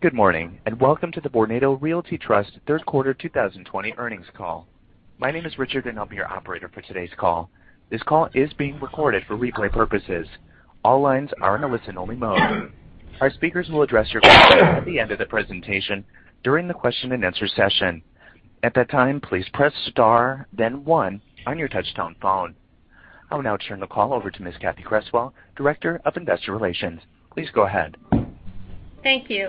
Good morning, and welcome to the Vornado Realty Trust Third Quarter 2020 Earnings Call. My name is Richard, and I'll be your operator for today's call. This call is being recorded for replay purposes. All lines are in a listen-only mode. Our speakers will address your questions at the end of the presentation during the question and answer session. At that time, please press star then one on your touchtone phone. I will now turn the call over to Ms. Cathy Creswell, Director of Investor Relations. Please go ahead. Thank you.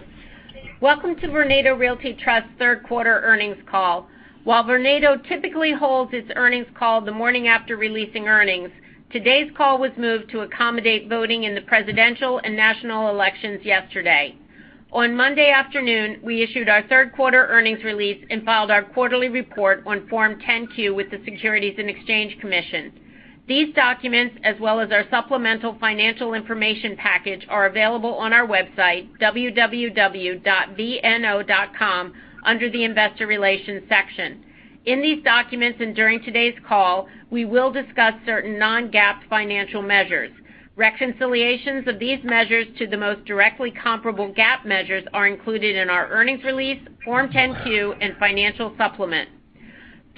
Welcome to Vornado Realty Trust third quarter earnings call. While Vornado typically holds its earnings call the morning after releasing earnings, today's call was moved to accommodate voting in the presidential and national elections yesterday. On Monday afternoon, we issued our third quarter earnings release and filed our quarterly report on Form 10-Q with the Securities and Exchange Commission. These documents, as well as our supplemental financial information package, are available on our website, www.vno.com, under the investor relations section. In these documents and during today's call, we will discuss certain non-GAAP financial measures. Reconciliations of these measures to the most directly comparable GAAP measures are included in our earnings release, Form 10-Q, and financial supplement.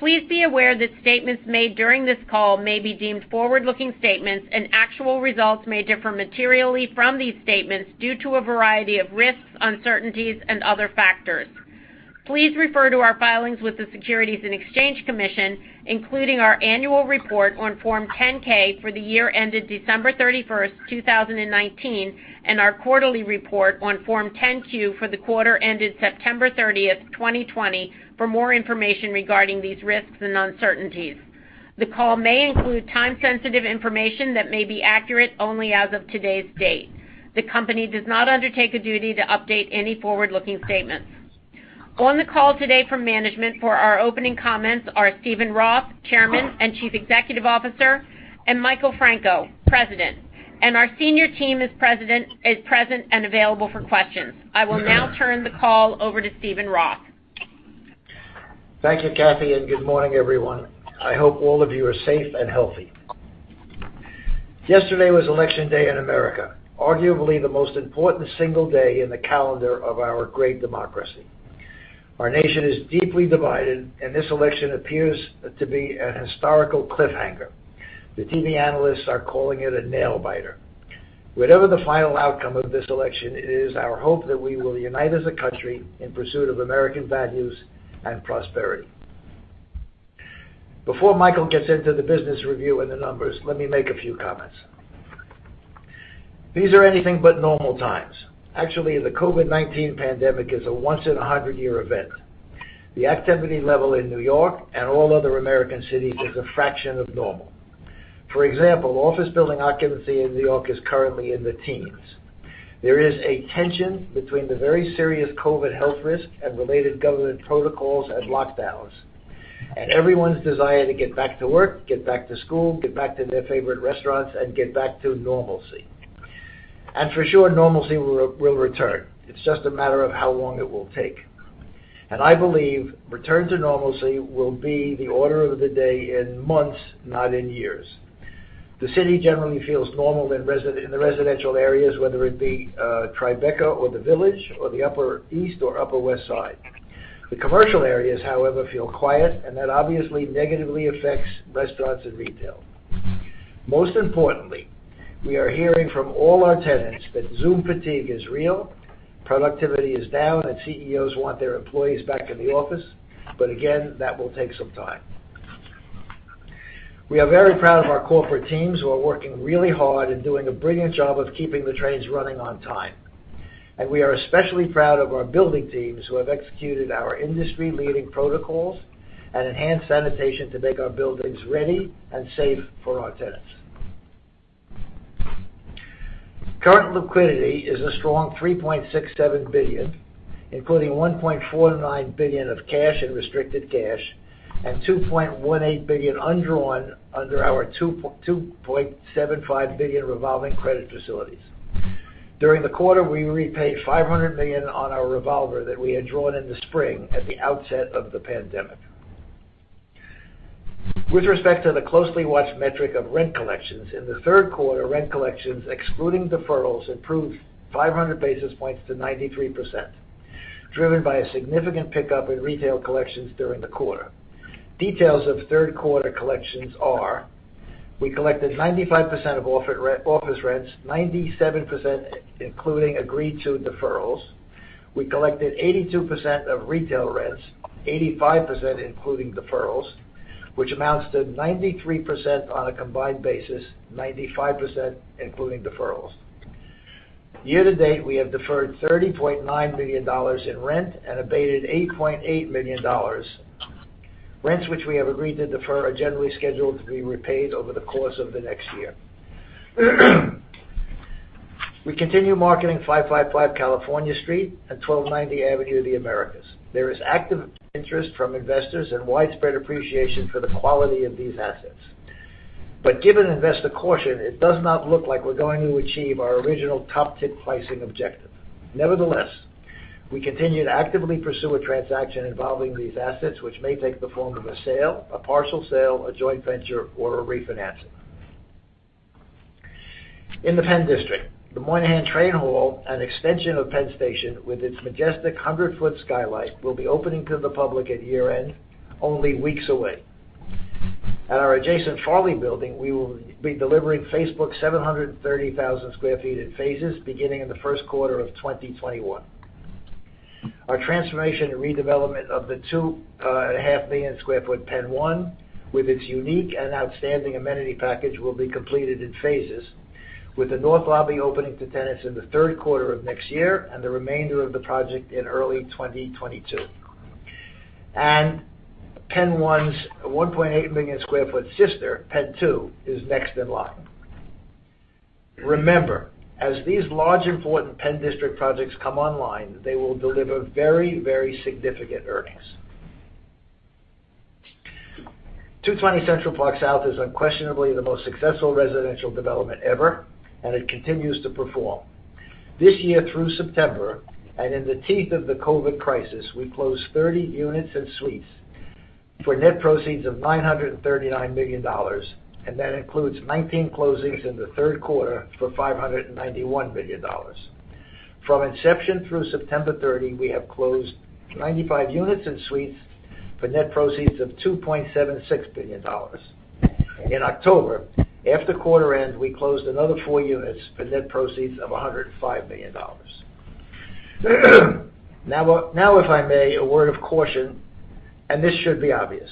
Please be aware that statements made during this call may be deemed forward-looking statements, and actual results may differ materially from these statements due to a variety of risks, uncertainties, and other factors. Please refer to our filings with the Securities and Exchange Commission, including our annual report on Form 10-K for the year ended December 31st, 2019, and our quarterly report on Form 10-Q for the quarter ended September 30th, 2020, for more information regarding these risks and uncertainties. The call may include time-sensitive information that may be accurate only as of today's date. The company does not undertake a duty to update any forward-looking statements. On the call today from management for our opening comments are Steven Roth, Chairman and Chief Executive Officer, and Michael Franco, President. Our senior team is present and available for questions. I will now turn the call over to Steven Roth. Thank you, Cathy, and good morning, everyone. I hope all of you are safe and healthy. Yesterday was election day in America, arguably the most important single day in the calendar of our great democracy. Our nation is deeply divided. This election appears to be an historical cliffhanger. The TV analysts are calling it a nail biter. Whatever the final outcome of this election, it is our hope that we will unite as a country in pursuit of American values and prosperity. Before Michael gets into the business review and the numbers, let me make a few comments. These are anything but normal times. Actually, the COVID-19 pandemic is a once in 100-year event. The activity level in New York and all other American cities is a fraction of normal. For example, office building occupancy in New York is currently in the teams. There is a tension between the very serious COVID health risk and related government protocols and lockdowns, everyone's desire to get back to work, get back to school, get back to their favorite restaurants, and get back to normalcy. For sure, normalcy will return. It's just a matter of how long it will take. I believe return to normalcy will be the order of the day in months, not in years. The city generally feels normal in the residential areas, whether it be Tribeca or the Village or the Upper East or Upper West Side. The commercial areas, however, feel quiet, and that obviously negatively affects restaurants and retail. Most importantly, we are hearing from all our tenants that Zoom fatigue is real, productivity is down, and CEOs want their employees back in the office. Again, that will take some time. We are very proud of our corporate teams who are working really hard and doing a brilliant job of keeping the trains running on time. We are especially proud of our building teams who have executed our industry-leading protocols and enhanced sanitation to make our buildings ready and safe for our tenants. Current liquidity is a strong $3.67 billion, including $1.49 billion of cash and restricted cash and $2.18 billion undrawn under our $2.75 billion revolving credit facilities. During the quarter, we repaid $500 million on our revolver that we had drawn in the spring at the outset of the pandemic. With respect to the closely watched metric of rent collections, in the third quarter, rent collections excluding deferrals improved 500 basis points to 93%, driven by a significant pickup in retail collections during the quarter. Details of third quarter collections are we collected 95% of office rents, 97% including agreed to deferrals. We collected 82% of retail rents, 85% including deferrals, which amounts to 93% on a combined basis, 95% including deferrals. Year to date, we have deferred $30.9 million in rent and abated $8.8 million. Rents which we have agreed to defer are generally scheduled to be repaid over the course of the next year. We continue marketing 555 California Street and 1290 Avenue of the Americas. There is active interest from investors and widespread appreciation for the quality of these assets. Given investor caution, it does not look like we're going to achieve our original top tick pricing objective. Nevertheless, we continue to actively pursue a transaction involving these assets, which may take the form of a sale, a partial sale, a joint venture, or a refinancing. In the Penn District, the Moynihan Train Hall, an extension of Penn Station with its majestic 100-foot skylight, will be open to the public at year-end, only weeks away. At our adjacent Farley building, we will be delivering Facebook's 730,000 sq ft in phases beginning in the first quarter of 2021. Our transformation and redevelopment of the 2.5 million sq ft PENN 1, with its unique and outstanding amenity package, will be completed in phases, with the north lobby opening to tenants in the third quarter of next year and the remainder of the project in early 2022. PENN 1's 1.8 million sq ft sister, PENN 2, is next in line. Remember, as these large, important Penn District projects come online, they will deliver very significant earnings. 220 Central Park South is unquestionably the most successful residential development ever, and it continues to perform. This year through September, and in the teeth of the COVID crisis, we closed 30 units and suites for net proceeds of $939 million, and that includes 19 closings in the third quarter for $591 million. From inception through September 30, we have closed 95 units and suites for net proceeds of $2.76 billion. In October, after quarter end, we closed another four units for net proceeds of $105 million. Now If I may, a word of caution, and this should be obvious.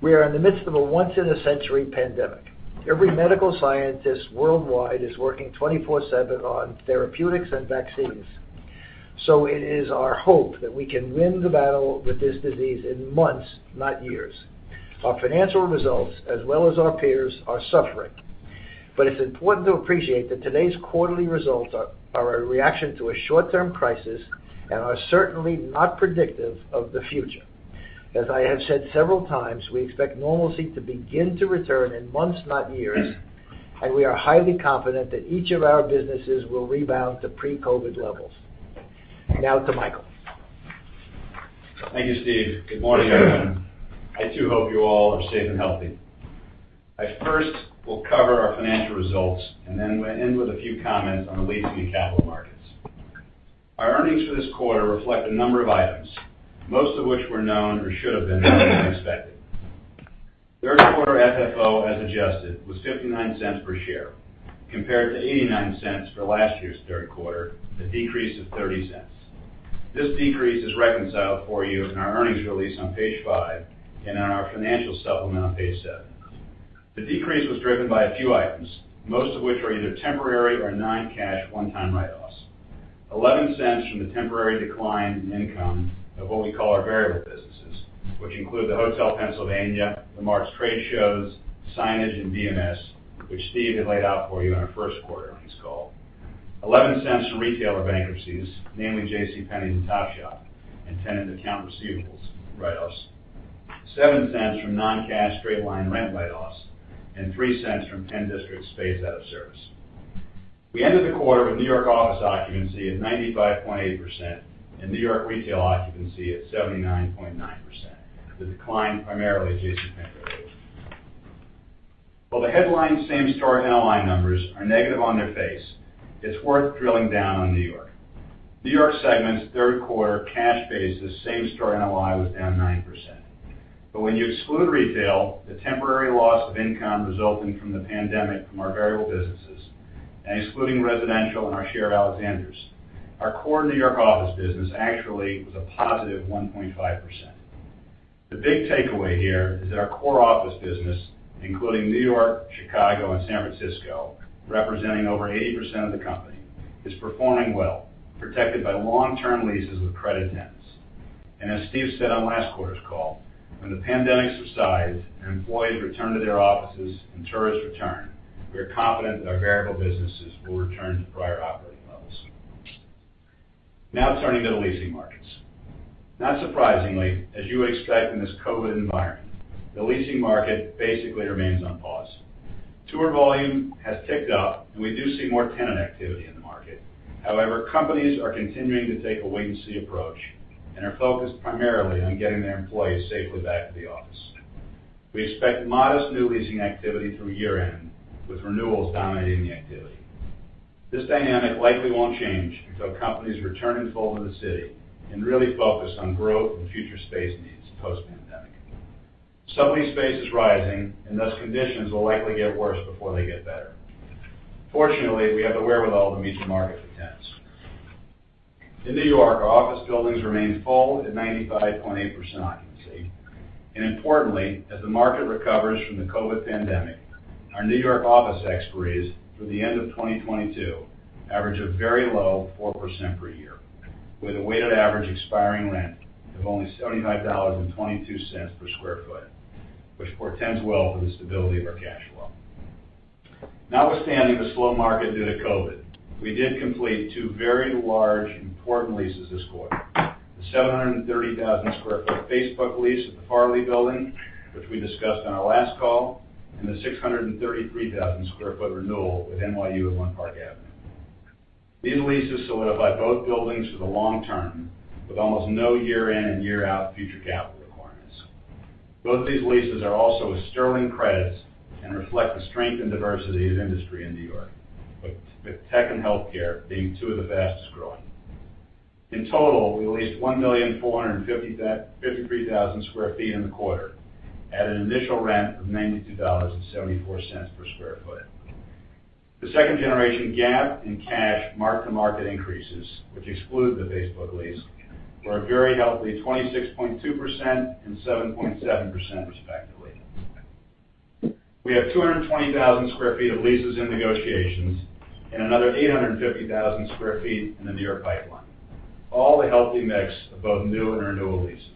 We are in the midst of a once-in-a-century pandemic. Every medical scientist worldwide is working 24/7 on therapeutics and vaccines. It is our hope that we can win the battle with this disease in months, not years. Our financial results, as well as our peers, are suffering, but it's important to appreciate that today's quarterly results are a reaction to a short-term crisis and are certainly not predictive of the future. As I have said several times, we expect normalcy to begin to return in months, not years, and we are highly confident that each of our businesses will rebound to pre-COVID levels. Now to Michael. Thank you, Steven. Good morning, everyone. I too hope you all are safe and healthy. I first will cover our financial results and then we'll end with a few comments on the leasing and capital markets. Our earnings for this quarter reflect a number of items, most of which were known or should have been known and expected. Third quarter FFO, as adjusted, was $0.59 per share, compared to $0.89 for last year's third quarter, a decrease of $0.30. This decrease is reconciled for you in our earnings release on page five and in our financial supplement on page seven. The decrease was driven by a few items, most of which are either temporary or non-cash one-time write-offs. $0.11 from the temporary decline in income of what we call our variable businesses, which include the Hotel Pennsylvania, the Marts & Tradeshows, Signage, and BMS, which Steve had laid out for you on our first quarter earnings call. $0.11 from retailer bankruptcies, namely JCPenney and Topshop, and tenant account receivables write-offs, $0.07 from non-cash straight-line rent write-offs, and $0.03 from Penn District space out of service. We ended the quarter with New York office occupancy at 95.8% and New York retail occupancy at 79.9%, the decline primarily JCPenney related. While the headline same-store NOI numbers are negative on their face, it's worth drilling down on New York. New York segment's third quarter cash basis same-store NOI was down 9%. When you exclude retail, the temporary loss of income resulting from the pandemic from our variable businesses and excluding residential and our share of Alexander's, our core New York office business actually was a positive 1.5%. The big takeaway here is that our core office business, including New York, Chicago, and San Francisco, representing over 80% of the company, is performing well, protected by long-term leases with credit tenants. As Steve said on last quarter's call, when the pandemic subsides and employees return to their offices and tourists return, we are confident that our variable businesses will return to prior operating levels. Now turning to the leasing markets. Not surprisingly, as you would expect in this COVID environment, the leasing market basically remains on pause. Tour volume has ticked up, and we do see more tenant activity in the market. Companies are continuing to take a wait-and-see approach and are focused primarily on getting their employees safely back to the office. We expect modest new leasing activity through year-end, with renewals dominating the activity. This dynamic likely won't change until companies return in full to the city and really focus on growth and future space needs post-pandemic. Sublet space is rising, thus conditions will likely get worse before they get better. Fortunately, we have the wherewithal to meet the market's demands. In New York our office buildings remain full at 95.8% occupancy. Importantly, as the market recovers from the COVID pandemic, our New York office expiries through the end of 2022 average a very low 4% per year, with a weighted average expiring rent of only $75.22 per sq ft, which portends well for the stability of our cash flow. Notwithstanding the slow market due to COVID, we did complete two very large important leases this quarter. The 730,000 sq ft Facebook lease at the Farley Building, which we discussed on our last call, and the 633,000 sq ft renewal with NYU at One Park Avenue. These leases solidify both buildings for the long term with almost no year in and year out future capital requirements. Both these leases are also with sterling credits and reflect the strength and diversity of industry in New York, with tech and healthcare being two of the fastest growing. In total, we leased 1,453,000 sq ft in the quarter at an initial rent of $92.74 per square foot. The second generation GAAP and cash mark-to-market increases, which exclude the Facebook lease, were a very healthy 26.2% and 7.7% respectively. We have 220,000 sq ft of leases in negotiations and another 850,000 sq ft in the near pipeline, all a healthy mix of both new and renewal leases.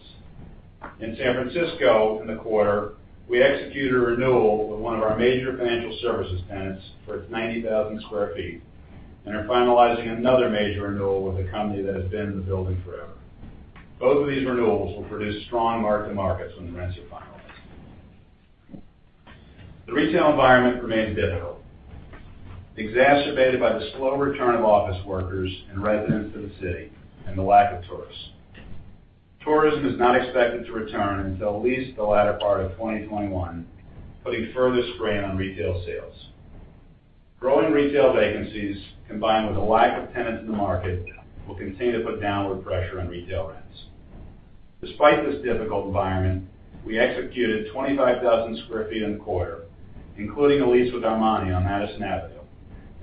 In San Francisco, in the quarter, we executed a renewal with one of our major financial services tenants for its 90,000 sq ft and are finalizing another major renewal with a company that has been in the building forever. Both of these renewals will produce strong mark-to-markets when the rents are finalized. The retail environment remains difficult, exacerbated by the slow return of office workers and residents to the city and the lack of tourists. Tourism is not expected to return until at least the latter part of 2021, putting further strain on retail sales. Growing retail vacancies, combined with a lack of tenants in the market, will continue to put downward pressure on retail rents. Despite this difficult environment, we executed 25,000 sq ft in the quarter, including a lease with Armani on Madison Avenue,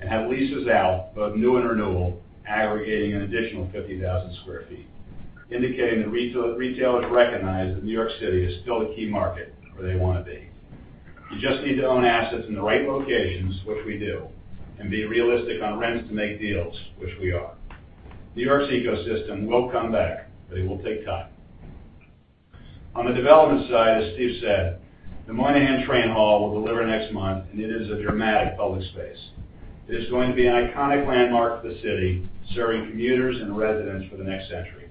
and have leases out, both new and renewal, aggregating an additional 50,000 sq ft, indicating that retailers recognize that New York City is still a key market where they want to be. You just need to own assets in the right locations, which we do, and be realistic on rents to make deals, which we are. New York's ecosystem will come back, but it will take time. On the development side, as Steve said, the Moynihan Train Hall will deliver next month, and it is a dramatic public space. It is going to be an iconic landmark for the city, serving commuters and residents for the next century.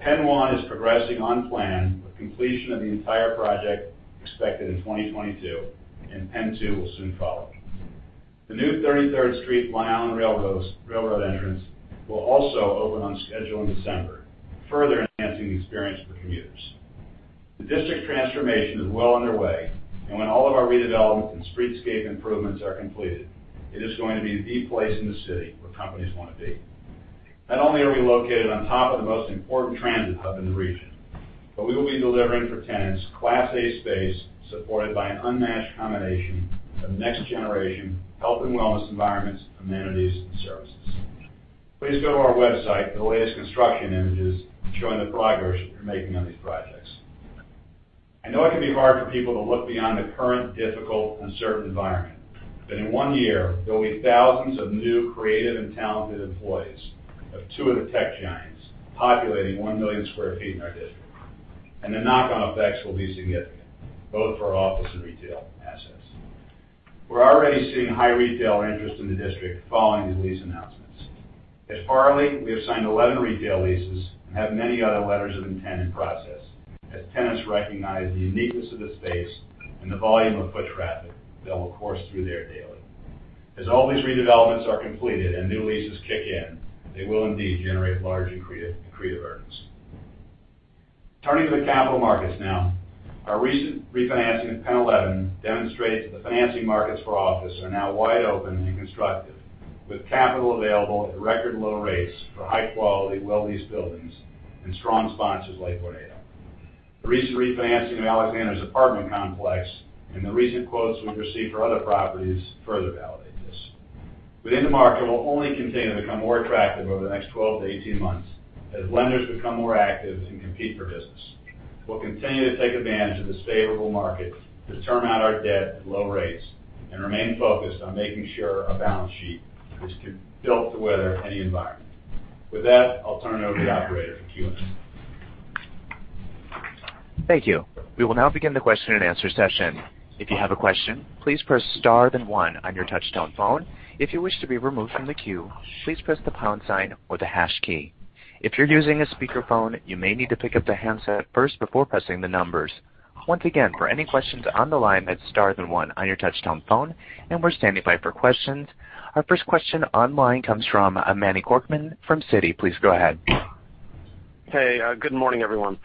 PENN 1 is progressing on plan with completion of the entire project expected in 2022, and PENN 2 will soon follow. The new 33rd Street Long Island Rail Road entrance will also open on schedule in December, further enhancing the experience for commuters. The district transformation is well underway, and when all of our redevelopment and streetscape improvements are completed, it is going to be the place in the city where companies want to be. Not only are we located on top of the most important transit hub in the region, but we will be delivering for tenants Class A space supported by an unmatched combination of next generation health and wellness environments, amenities, and services. Please go to our website for the latest construction images showing the progress that we're making on these projects. I know it can be hard for people to look beyond the current difficult, uncertain environment. In one year, there will be thousands of new creative and talented employees of two of the tech giants populating 1 million sq ft in our district, and the knock-on effects will be significant, both for our office and retail assets. We're already seeing high retail interest in the district following these lease announcements. At Farley, we have signed 11 retail leases and have many other letters of intent in process as tenants recognize the uniqueness of the space and the volume of foot traffic that will course through there daily. As all these redevelopments are completed and new leases kick in, they will indeed generate large accretive earnings. Turning to the capital markets now. Our recent refinancing of PENN 11 demonstrates that the financing markets for office are now wide open and constructive, with capital available at record low rates for high quality, well-leased buildings and strong sponsors like Vornado. The recent refinancing of Alexander's apartment complex and the recent quotes we've received for other properties further validate this. The market will only continue to become more attractive over the next 12-18 months as lenders become more active and compete for business. We'll continue to take advantage of this favorable market to term out our debt at low rates and remain focused on making sure our balance sheet is built to weather any environment. With that, I'll turn it over to the operator for Q&A. Thank you. We will now begin the question and answer session. If you have a question, please press star then one on your touchtone phone. If you wish to be removed from the queue, please press the pound sign or the hash key. If you're using a speakerphone, you may need to pick up the handset first before pressing the numbers. Once again, for any questions on the line, hit star then one on your touchtone phone and we're standing by for questions. Our first question online comes from Manny Korchman from Citi. Please go ahead. Hey, good morning, everyone.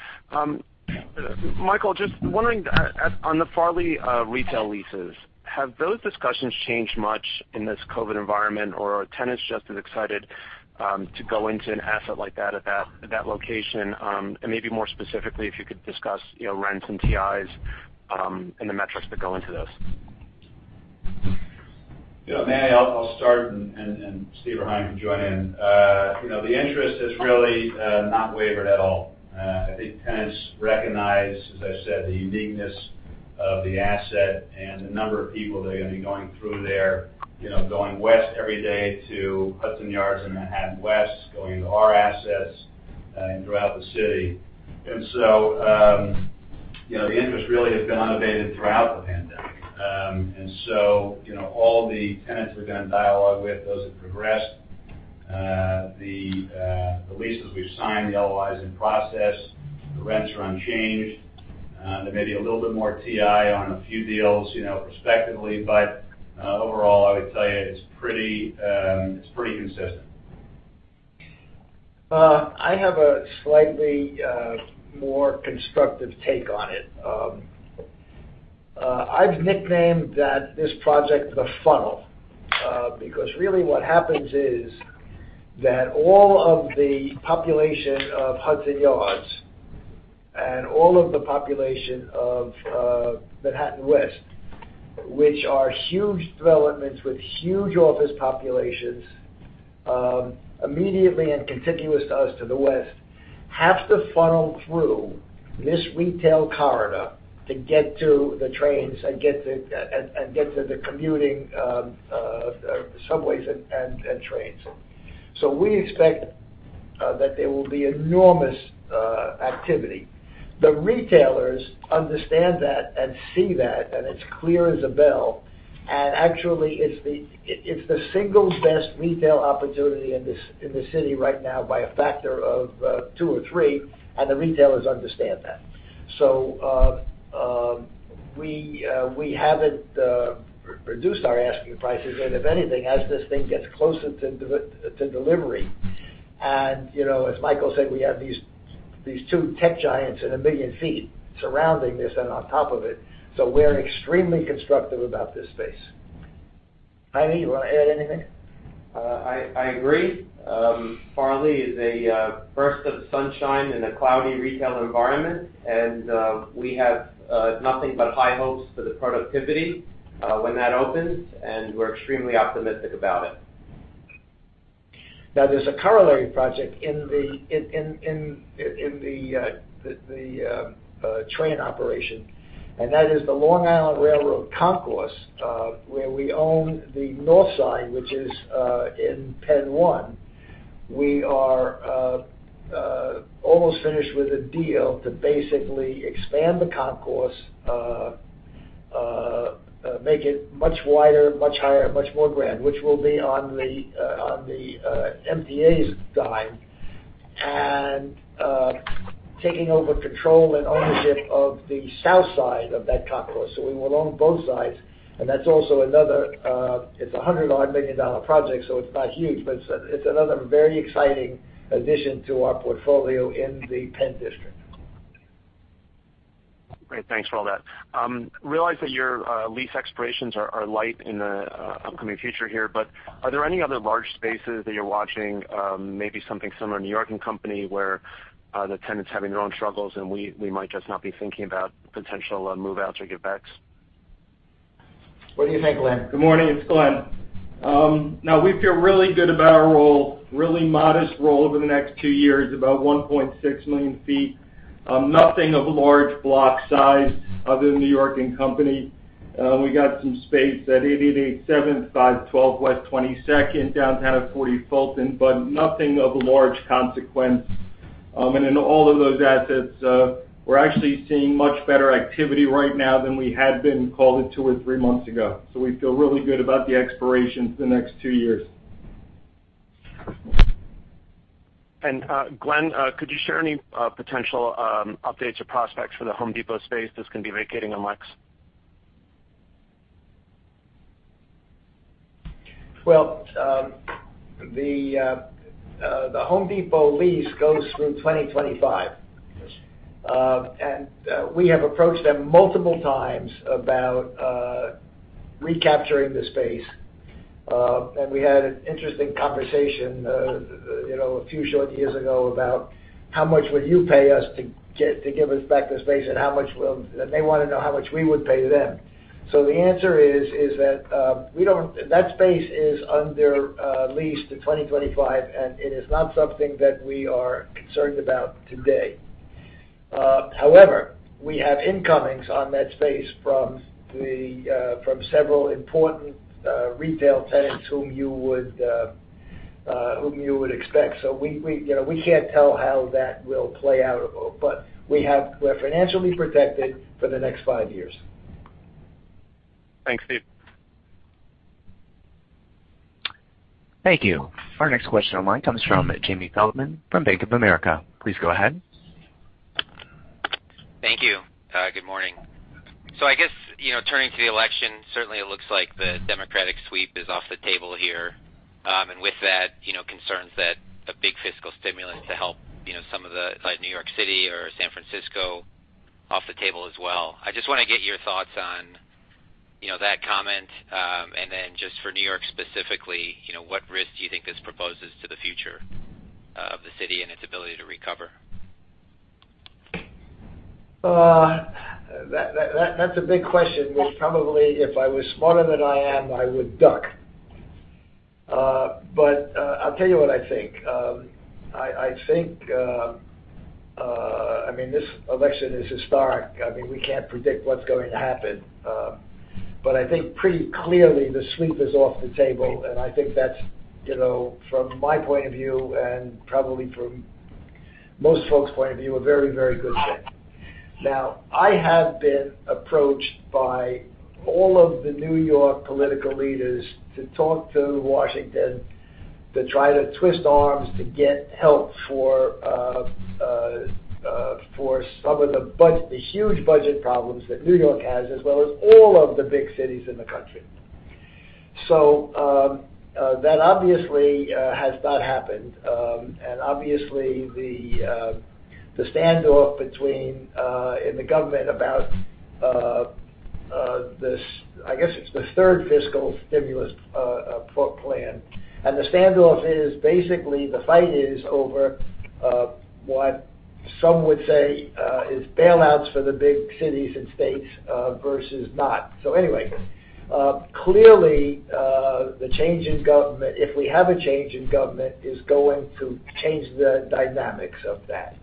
Michael, just wondering on the Farley retail leases, have those discussions changed much in this COVID environment, or are tenants just as excited to go into an asset like that at that location? Maybe more specifically, if you could discuss rents and TIs and the metrics that go into those. Yeah, Manny, I'll start and Steve or Haim can join in. The interest has really not wavered at all. I think tenants recognize, as I said, the uniqueness of the asset and the number of people that are going to be going through there, going west every day to Hudson Yards and Manhattan West, going to our assets and throughout the city. The interest really has been unabated throughout the pandemic. All the tenants we've been in dialogue with, those have progressed. The leases we've signed, the LOIs in process, the rents are unchanged. There may be a little bit more TI on a few deals, respectively. Overall, I would tell you it's pretty consistent. I have a slightly more constructive take on it. I've nicknamed this project The Funnel, because really what happens is that all of the population of Hudson Yards and all of the population of Manhattan West, which are huge developments with huge office populations, immediately and contiguous to us to the west, have to funnel through this retail corridor to get to the trains and get to the commuting subways and trains. We expect that there will be enormous activity. The retailers understand that and see that, and it's clear as a bell, and actually, it's the single best retail opportunity in the city right now by a factor of two or three, and the retailers understand that. We haven't reduced our asking prices. If anything, as this thing gets closer to delivery and, as Michael said, we have these two tech giants and 1 million feet surrounding this and on top of it. We're extremely constructive about this space. Hymie, you want to add anything? I agree. Farley is a burst of sunshine in a cloudy retail environment, and we have nothing but high hopes for the productivity when that opens, and we're extremely optimistic about it. There's a corollary project in the train operation, and that is the Long Island Rail Road Concourse, where we own the north side, which is in PENN 1. We are almost finished with a deal to basically expand the concourse, make it much wider, much higher, much more grand, which will be on the MTA's dime, and taking over control and ownership of the south side of that concourse. We will own both sides. It's a $100-odd million project, so it's not huge, but it's another very exciting addition to our portfolio in the Penn District. Great. Thanks for all that. Realize that your lease expirations are light in the upcoming future here, but are there any other large spaces that you're watching? Maybe something similar to New York & Company, where the tenant's having their own struggles, and we might just not be thinking about potential move-outs or give-backs. What do you think, Glen? Good morning. It's Glen. No, we feel really good about our role. Really modest role over the next two years, about 1.6 million ft. Nothing of large block size other than New York & Company. We got some space at 888 7th, 512 West 22nd, downtown at 40 Fulton, nothing of large consequence. In all of those assets, we're actually seeing much better activity right now than we had been calling two or three months ago. We feel really good about the expirations the next two years. Glen, could you share any potential updates or prospects for The Home Depot space that's going to be vacating on Lex? Well, the Home Depot lease goes through 2025. We have approached them multiple times about recapturing the space. We had an interesting conversation a few short years ago about how much would you pay us to give us back the space, and they want to know how much we would pay them. The answer is that space is under lease to 2025, and it is not something that we are concerned about today. However, we have incomings on that space from several important retail tenants whom you would expect. We can't tell how that will play out, but we're financially protected for the next five years. Thanks, Steve. Thank you. Our next question online comes from Jamie Feldman from Bank of America. Please go ahead. Thank you. Good morning. I guess, turning to the election, certainly it looks like the Democratic sweep is off the table here. With that, concerns that a big fiscal stimulus to help some of the, like New York City or San Francisco, off the table as well. I just want to get your thoughts on that comment. Then just for New York specifically, what risk do you think this proposes to the future of the city and its ability to recover? That's a big question, which probably if I was smarter than I am, I would duck. I'll tell you what I think. I think this election is historic. We can't predict what's going to happen. I think pretty clearly the sweep is off the table, and I think that's, from my point of view and probably from most folks' point of view, a very good thing. I have been approached by all of the New York political leaders to talk to Washington to try to twist arms to get help for some of the huge budget problems that New York has, as well as all of the big cities in the country. That obviously has not happened. Obviously the standoff between, in the government about, I guess it's the third fiscal stimulus plan. The standoff is basically, the fight is over what some would say is bailouts for the big cities and states versus not. Anyway, clearly, the change in government, if we have a change in government, is going to change the dynamics of that.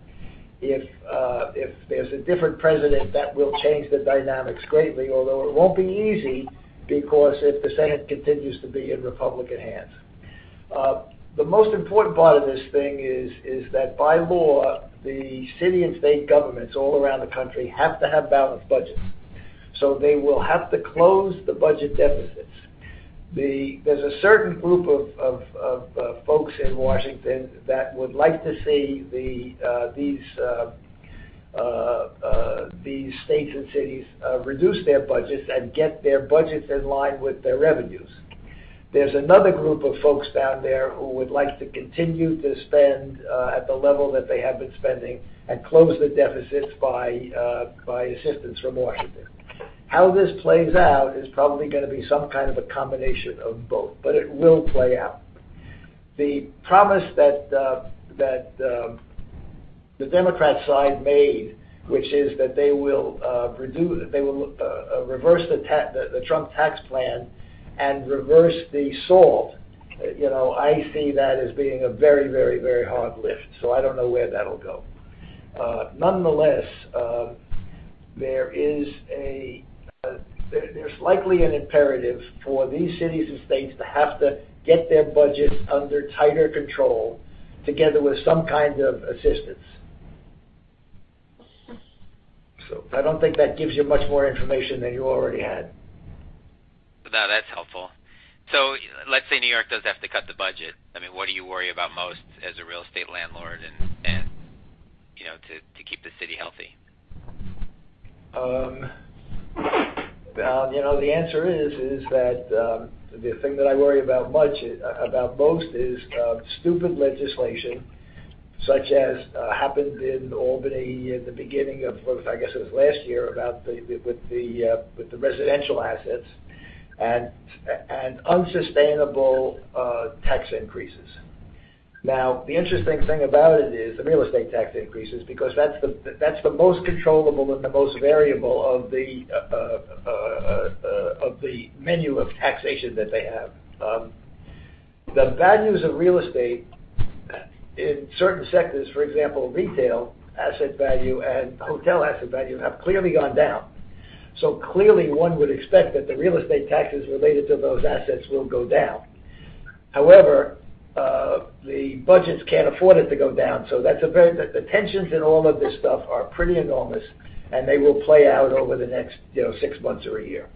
If there's a different president, that will change the dynamics greatly, although it won't be easy, because if the Senate continues to be in Republican hands. The most important part of this thing is that by law, the city and state governments all around the country have to have balanced budgets. They will have to close the budget deficits. There's a certain group of folks in Washington that would like to see these states and cities reduce their budgets and get their budgets in line with their revenues. There's another group of folks down there who would like to continue to spend at the level that they have been spending and close the deficits by assistance from Washington. How this plays out is probably going to be some kind of a combination of both, but it will play out. The promise that the Democrat side made, which is that they will reverse the Trump tax plan and reverse the SALT. I see that as being a very, very, very hard lift. I don't know where that'll go. Nonetheless, there's likely an imperative for these cities and states to have to get their budgets under tighter control together with some kind of assistance. I don't think that gives you much more information than you already had. No, that's helpful. Let's say New York does have to cut the budget. What do you worry about most as a real estate landlord, and to keep the city healthy? The answer is that the thing that I worry about most is stupid legislation, such as happened in Albany in the beginning of, I guess it was last year, with the residential assets, and unsustainable tax increases. The interesting thing about it is, the real estate tax increases, because that's the most controllable and the most variable of the menu of taxation that they have. The values of real estate in certain sectors, for example, retail asset value and hotel asset value, have clearly gone down. Clearly one would expect that the real estate taxes related to those assets will go down. However, the budgets can't afford it to go down. The tensions in all of this stuff are pretty enormous, and they will play out over the next six months or a year.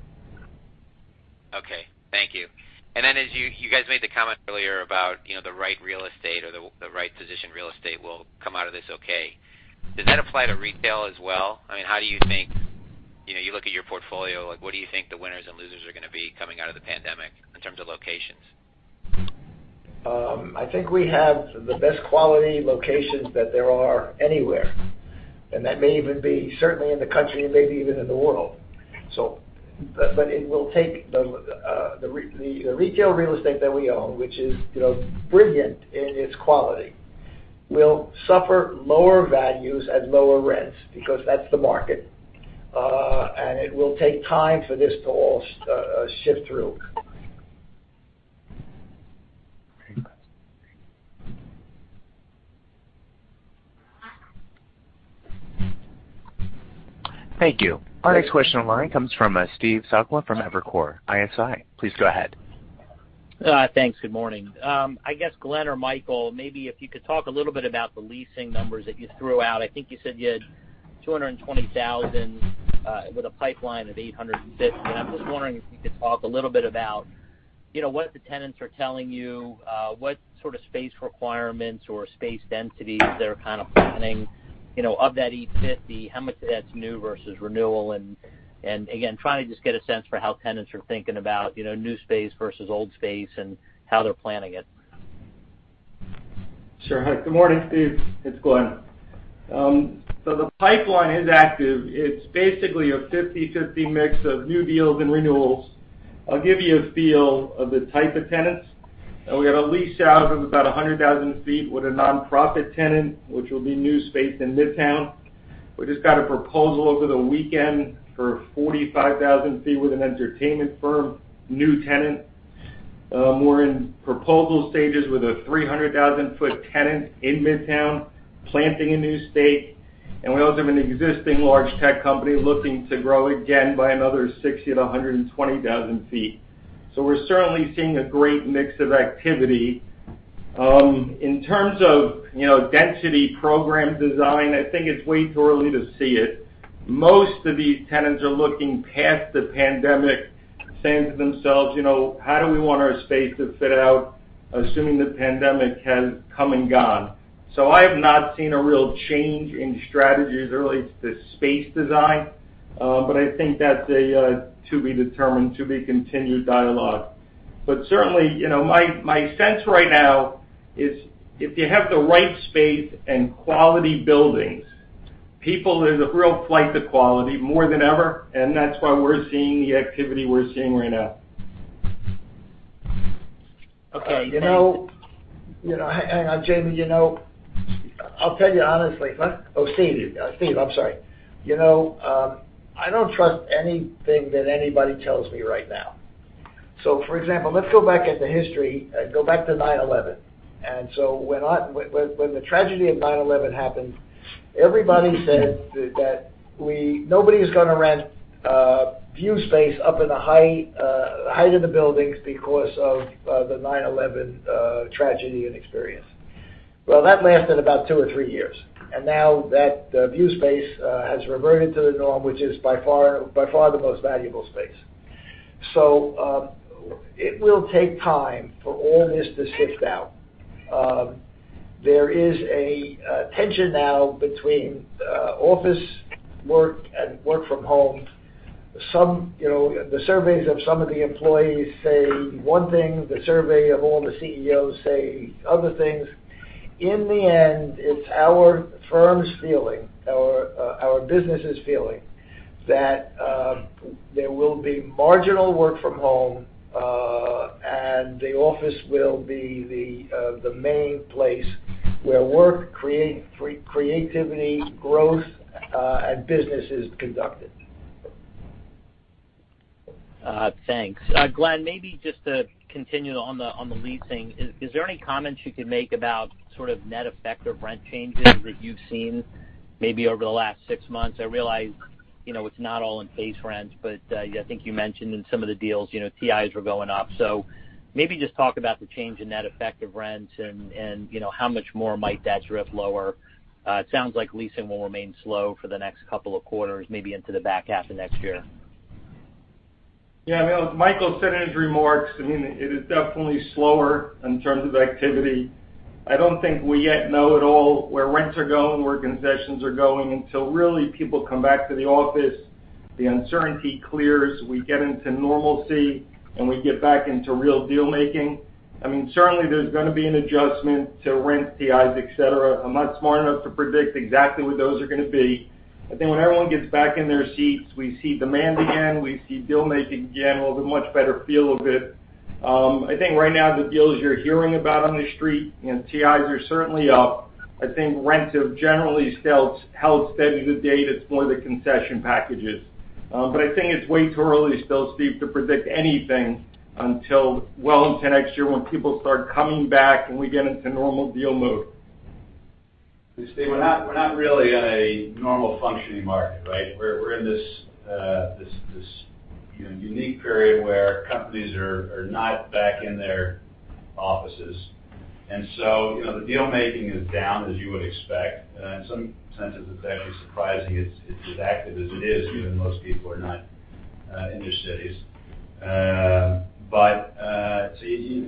Okay. Thank you. As you guys made the comment earlier about the right real estate or the right positioned real estate will come out of this okay. Does that apply to retail as well? You look at your portfolio, what do you think the winners and losers are going to be coming out of the pandemic in terms of locations? I think we have the best quality locations that there are anywhere. That may even be certainly in the country and maybe even in the world. The retail real estate that we own, which is brilliant in its quality, will suffer lower values and lower rents because that's the market. It will take time for this to all shift through. Thank you. Our next question on the line comes from Steve Sakwa from Evercore ISI. Please go ahead. Thanks. Good morning. I guess Glen or Michael, maybe if you could talk a little bit about the leasing numbers that you threw out. I think you said you had 220,000 with a pipeline of 850. I'm just wondering if you could talk a little bit about what the tenants are telling you, what sort of space requirements or space densities they're planning. Of that 850, how much of that's new versus renewal, and again, trying to just get a sense for how tenants are thinking about new space versus old space and how they're planning it. Sure. Good morning, Steve. It's Glen. The pipeline is active. It's basically a 50/50 mix of new deals and renewals. I'll give you a feel of the type of tenants. We got a lease out of about 100,000 ft with a nonprofit tenant, which will be new space in Midtown. We just got a proposal over the weekend for 45,000 ft with an entertainment firm, new tenant. We're in proposal stages with a 300,000-foot tenant in Midtown, planting a new stake. We also have an existing large tech company looking to grow again by another 60,000-120,000 ft. We're certainly seeing a great mix of activity. In terms of density program design, I think it's way too early to see it. Most of these tenants are looking past the pandemic, saying to themselves, "How do we want our space to fit out?" Assuming the pandemic has come and gone. I have not seen a real change in strategies related to space design. I think that's a to-be-determined, to-be-continued dialogue. Certainly, my sense right now is if you have the right space and quality buildings, people, there's a real flight to quality more than ever, and that's why we're seeing the activity we're seeing right now. Okay. Hang on, Jamie. I'll tell you honestly. Oh, Steve. I'm sorry. I don't trust anything that anybody tells me right now. For example, let's go back at the history, go back to 9/11. When the tragedy of 9/11 happened, everybody said that nobody is going to rent view space up in the height of the buildings because of the 9/11 tragedy and experience. Well, that lasted about two or three years. Now that view space has reverted to the norm, which is by far the most valuable space. It will take time for all this to sift out. There is a tension now between office work and work from home. The surveys of some of the employees say one thing, the survey of all the CEOs say other things. In the end, it's our firm's feeling, our business' feeling, that there will be marginal work from home, and the office will be the main place where work, creativity, growth, and business is conducted. Thanks. Glen, maybe just to continue on the leasing, is there any comments you can make about sort of net effect of rent changes that you've seen maybe over the last six months? I realize it's not all in phase rents, but I think you mentioned in some of the deals, TIs were going up. Maybe just talk about the change in net effect of rents and how much more might that drift lower. It sounds like leasing will remain slow for the next couple of quarters, maybe into the back half of next year. Yeah. As Michael said in his remarks, it is definitely slower in terms of activity. I don't think we yet know at all where rents are going, where concessions are going until really people come back to the office, the uncertainty clears, we get into normalcy, and we get back into real deal making. Certainly there's going to be an adjustment to rent, TIs, et cetera. I'm not smart enough to predict exactly what those are going to be. I think when everyone gets back in their seats, we see demand again, we see deal making again, we'll have a much better feel of it. I think right now the deals you're hearing about on the street, and TIs are certainly up. I think rents have generally held steady to date. It's more the concession packages. I think it's way too early still, Steve, to predict anything until well into next year when people start coming back, and we get into normal deal mode. Steve, we're not really in a normal functioning market, right? We're in this unique period where companies are not back in their offices. The deal making is down as you would expect. In some senses, it's actually surprising it's as active as it is given most people are not in their cities.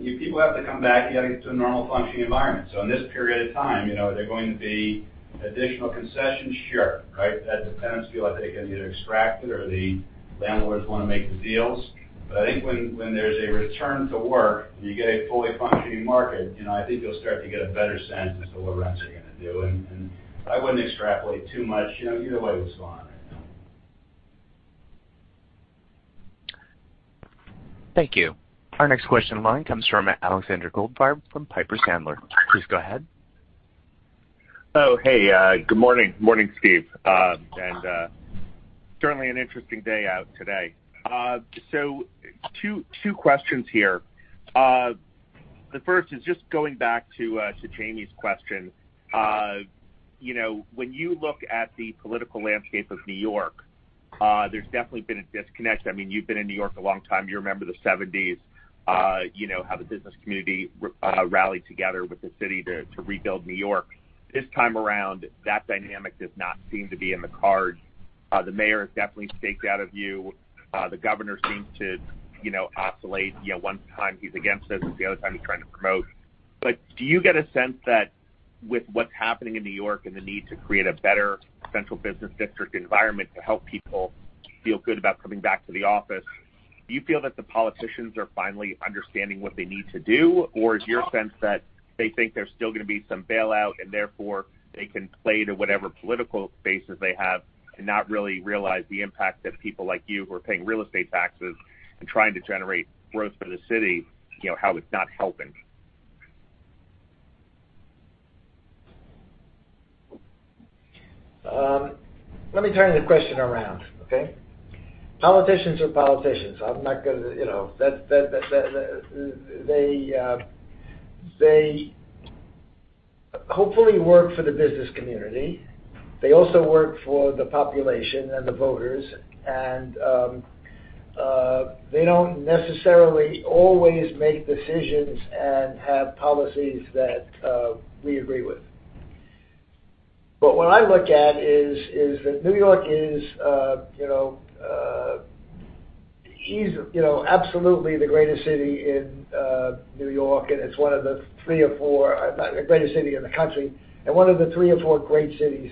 If people have to come back, you got to get to a normal functioning environment. In this period of time, there are going to be additional concessions, sure. Right? As the tenants feel like they can either extract it or the landlords want to make the deals. I think when there's a return to work and you get a fully functioning market, I think you'll start to get a better sense as to what rents are going to do, and I wouldn't extrapolate too much either way what's going on right now. Thank you. Our next question line comes from Alexander Goldfarb from Piper Sandler. Please go ahead. Oh, hey. Good morning. Morning, Steve. Certainly an interesting day out today. Two questions here. The first is just going back to Jamie's question. When you look at the political landscape of New York, there's definitely been a disconnect. You've been in New York a long time. You remember the '70s, how the business community rallied together with the city to rebuild New York. This time around, that dynamic does not seem to be in the cards. The mayor has definitely staked out a view. The governor seems to oscillate. One time he's against it, and the other time he's trying to promote. Do you get a sense that with what's happening in New York and the need to create a better central business district environment to help people feel good about coming back to the office, do you feel that the politicians are finally understanding what they need to do? Or is your sense that they think there's still going to be some bailout, and therefore, they can play to whatever political bases they have and not really realize the impact that people like you who are paying real estate taxes and trying to generate growth for the city, how it's not helping? Let me turn the question around. Okay? Politicians are politicians. They hopefully work for the business community. They also work for the population and the voters. They don't necessarily always make decisions and have policies that we agree with. What I look at is that New York is absolutely the greatest city in New York, and it's one of the three or four greatest cities in the country, and one of the three or four great cities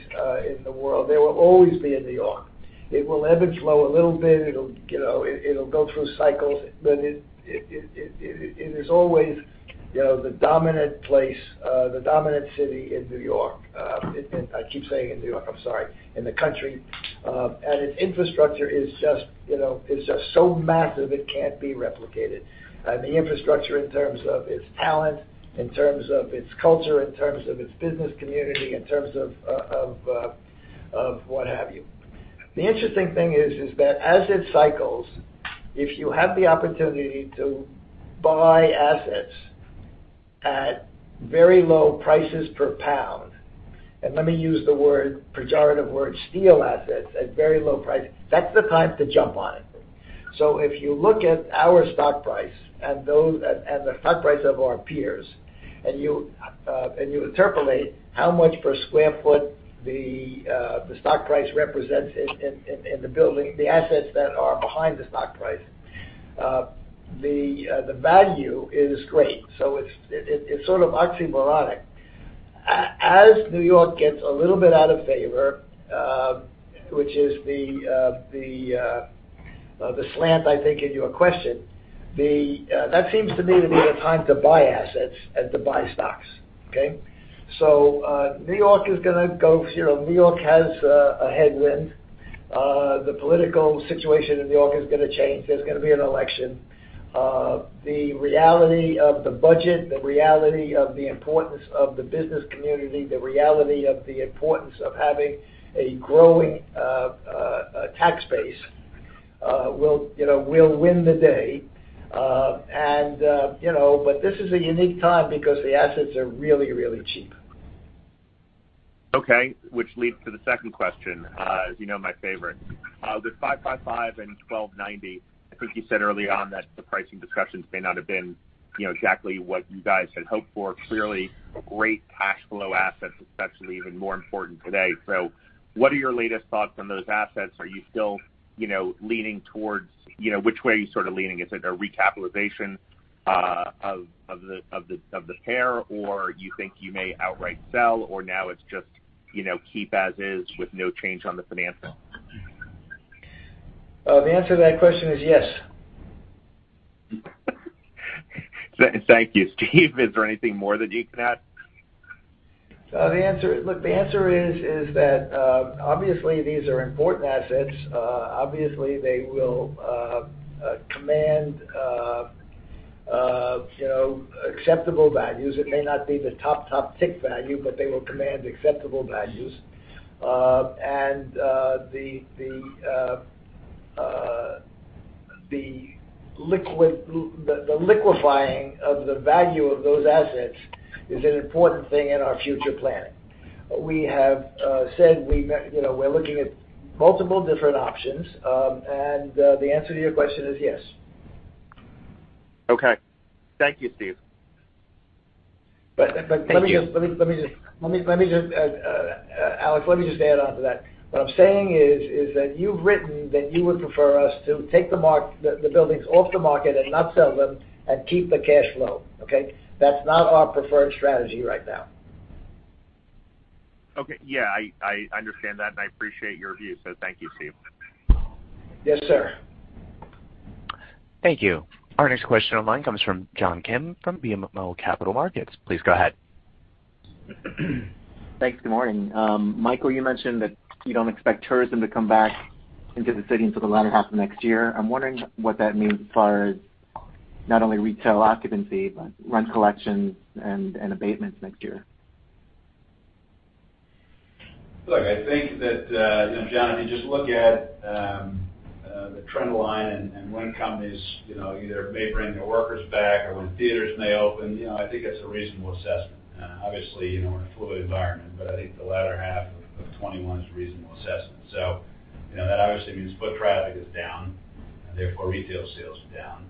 in the world. There will always be a New York. It will ebb and flow a little bit. It'll go through cycles, but it is always the dominant place, the dominant city in New York. I keep saying in New York, I'm sorry, in the country. Its infrastructure is just so massive, it can't be replicated. The infrastructure in terms of its talent, in terms of its culture, in terms of its business community, in terms of what have you. The interesting thing is that as it cycles, if you have the opportunity to buy assets at very low prices per pound, and let me use the pejorative word, steel assets, at very low price, that's the time to jump on it. If you look at our stock price and the stock price of our peers, and you interpolate how much per square foot the stock price represents in the building, the assets that are behind the stock price, the value is great. It's sort of oxymoronic. As New York gets a little bit out of favor, which is the slant I think in your question, that seems to me to be the time to buy assets and to buy stocks. Okay? So New York is gonna go, has a headwind. The political situation in New York is going to change. There's going to be an election. The reality of the budget, the reality of the importance of the business community, the reality of the importance of having a growing tax base will win the day. This is a unique time because the assets are really, really cheap. Which leads to the second question, as you know, my favorite. With 555 and 1290, I think you said early on that the pricing discussions may not have been exactly what you guys had hoped for. Great cash flow assets, especially even more important today. What are your latest thoughts on those assets? Which way are you sort of leaning? Is it a recapitalization of the pair, or you think you may outright sell, or now it's just keep as is with no change on the financing? The answer to that question is yes. Thank you, Steve. Is there anything more that you can add? Look, the answer is that obviously these are important assets. Obviously, they will command acceptable values. It may not be the top tick value, but they will command acceptable values. The liquefying of the value of those assets is an important thing in our future planning. We have said we're looking at multiple different options, and the answer to your question is yes. Okay. Thank you, Steve. But let me just- Alex, let me just add on to that. What I'm saying is that you've written that you would prefer us to take the buildings off the market and not sell them and keep the cash flow, okay? That's not our preferred strategy right now. Okay. Yeah, I understand that, and I appreciate your view. Thank you, Steve. Yes, sir. Thank you. Our next question online comes from John Kim from BMO Capital Markets. Please go ahead. Thanks. Good morning. Michael, you mentioned that you don't expect tourism to come back into the city until the latter half of next year. I'm wondering what that means as far as not only retail occupancy, but rent collections and abatements next year? Look, I think that, John, if you just look at the trend line and when companies either may bring their workers back or when theaters may open, I think that's a reasonable assessment. Obviously, we're in a fluid environment. I think the latter half of 2021 is a reasonable assessment. That obviously means foot traffic is down, therefore retail sales are down.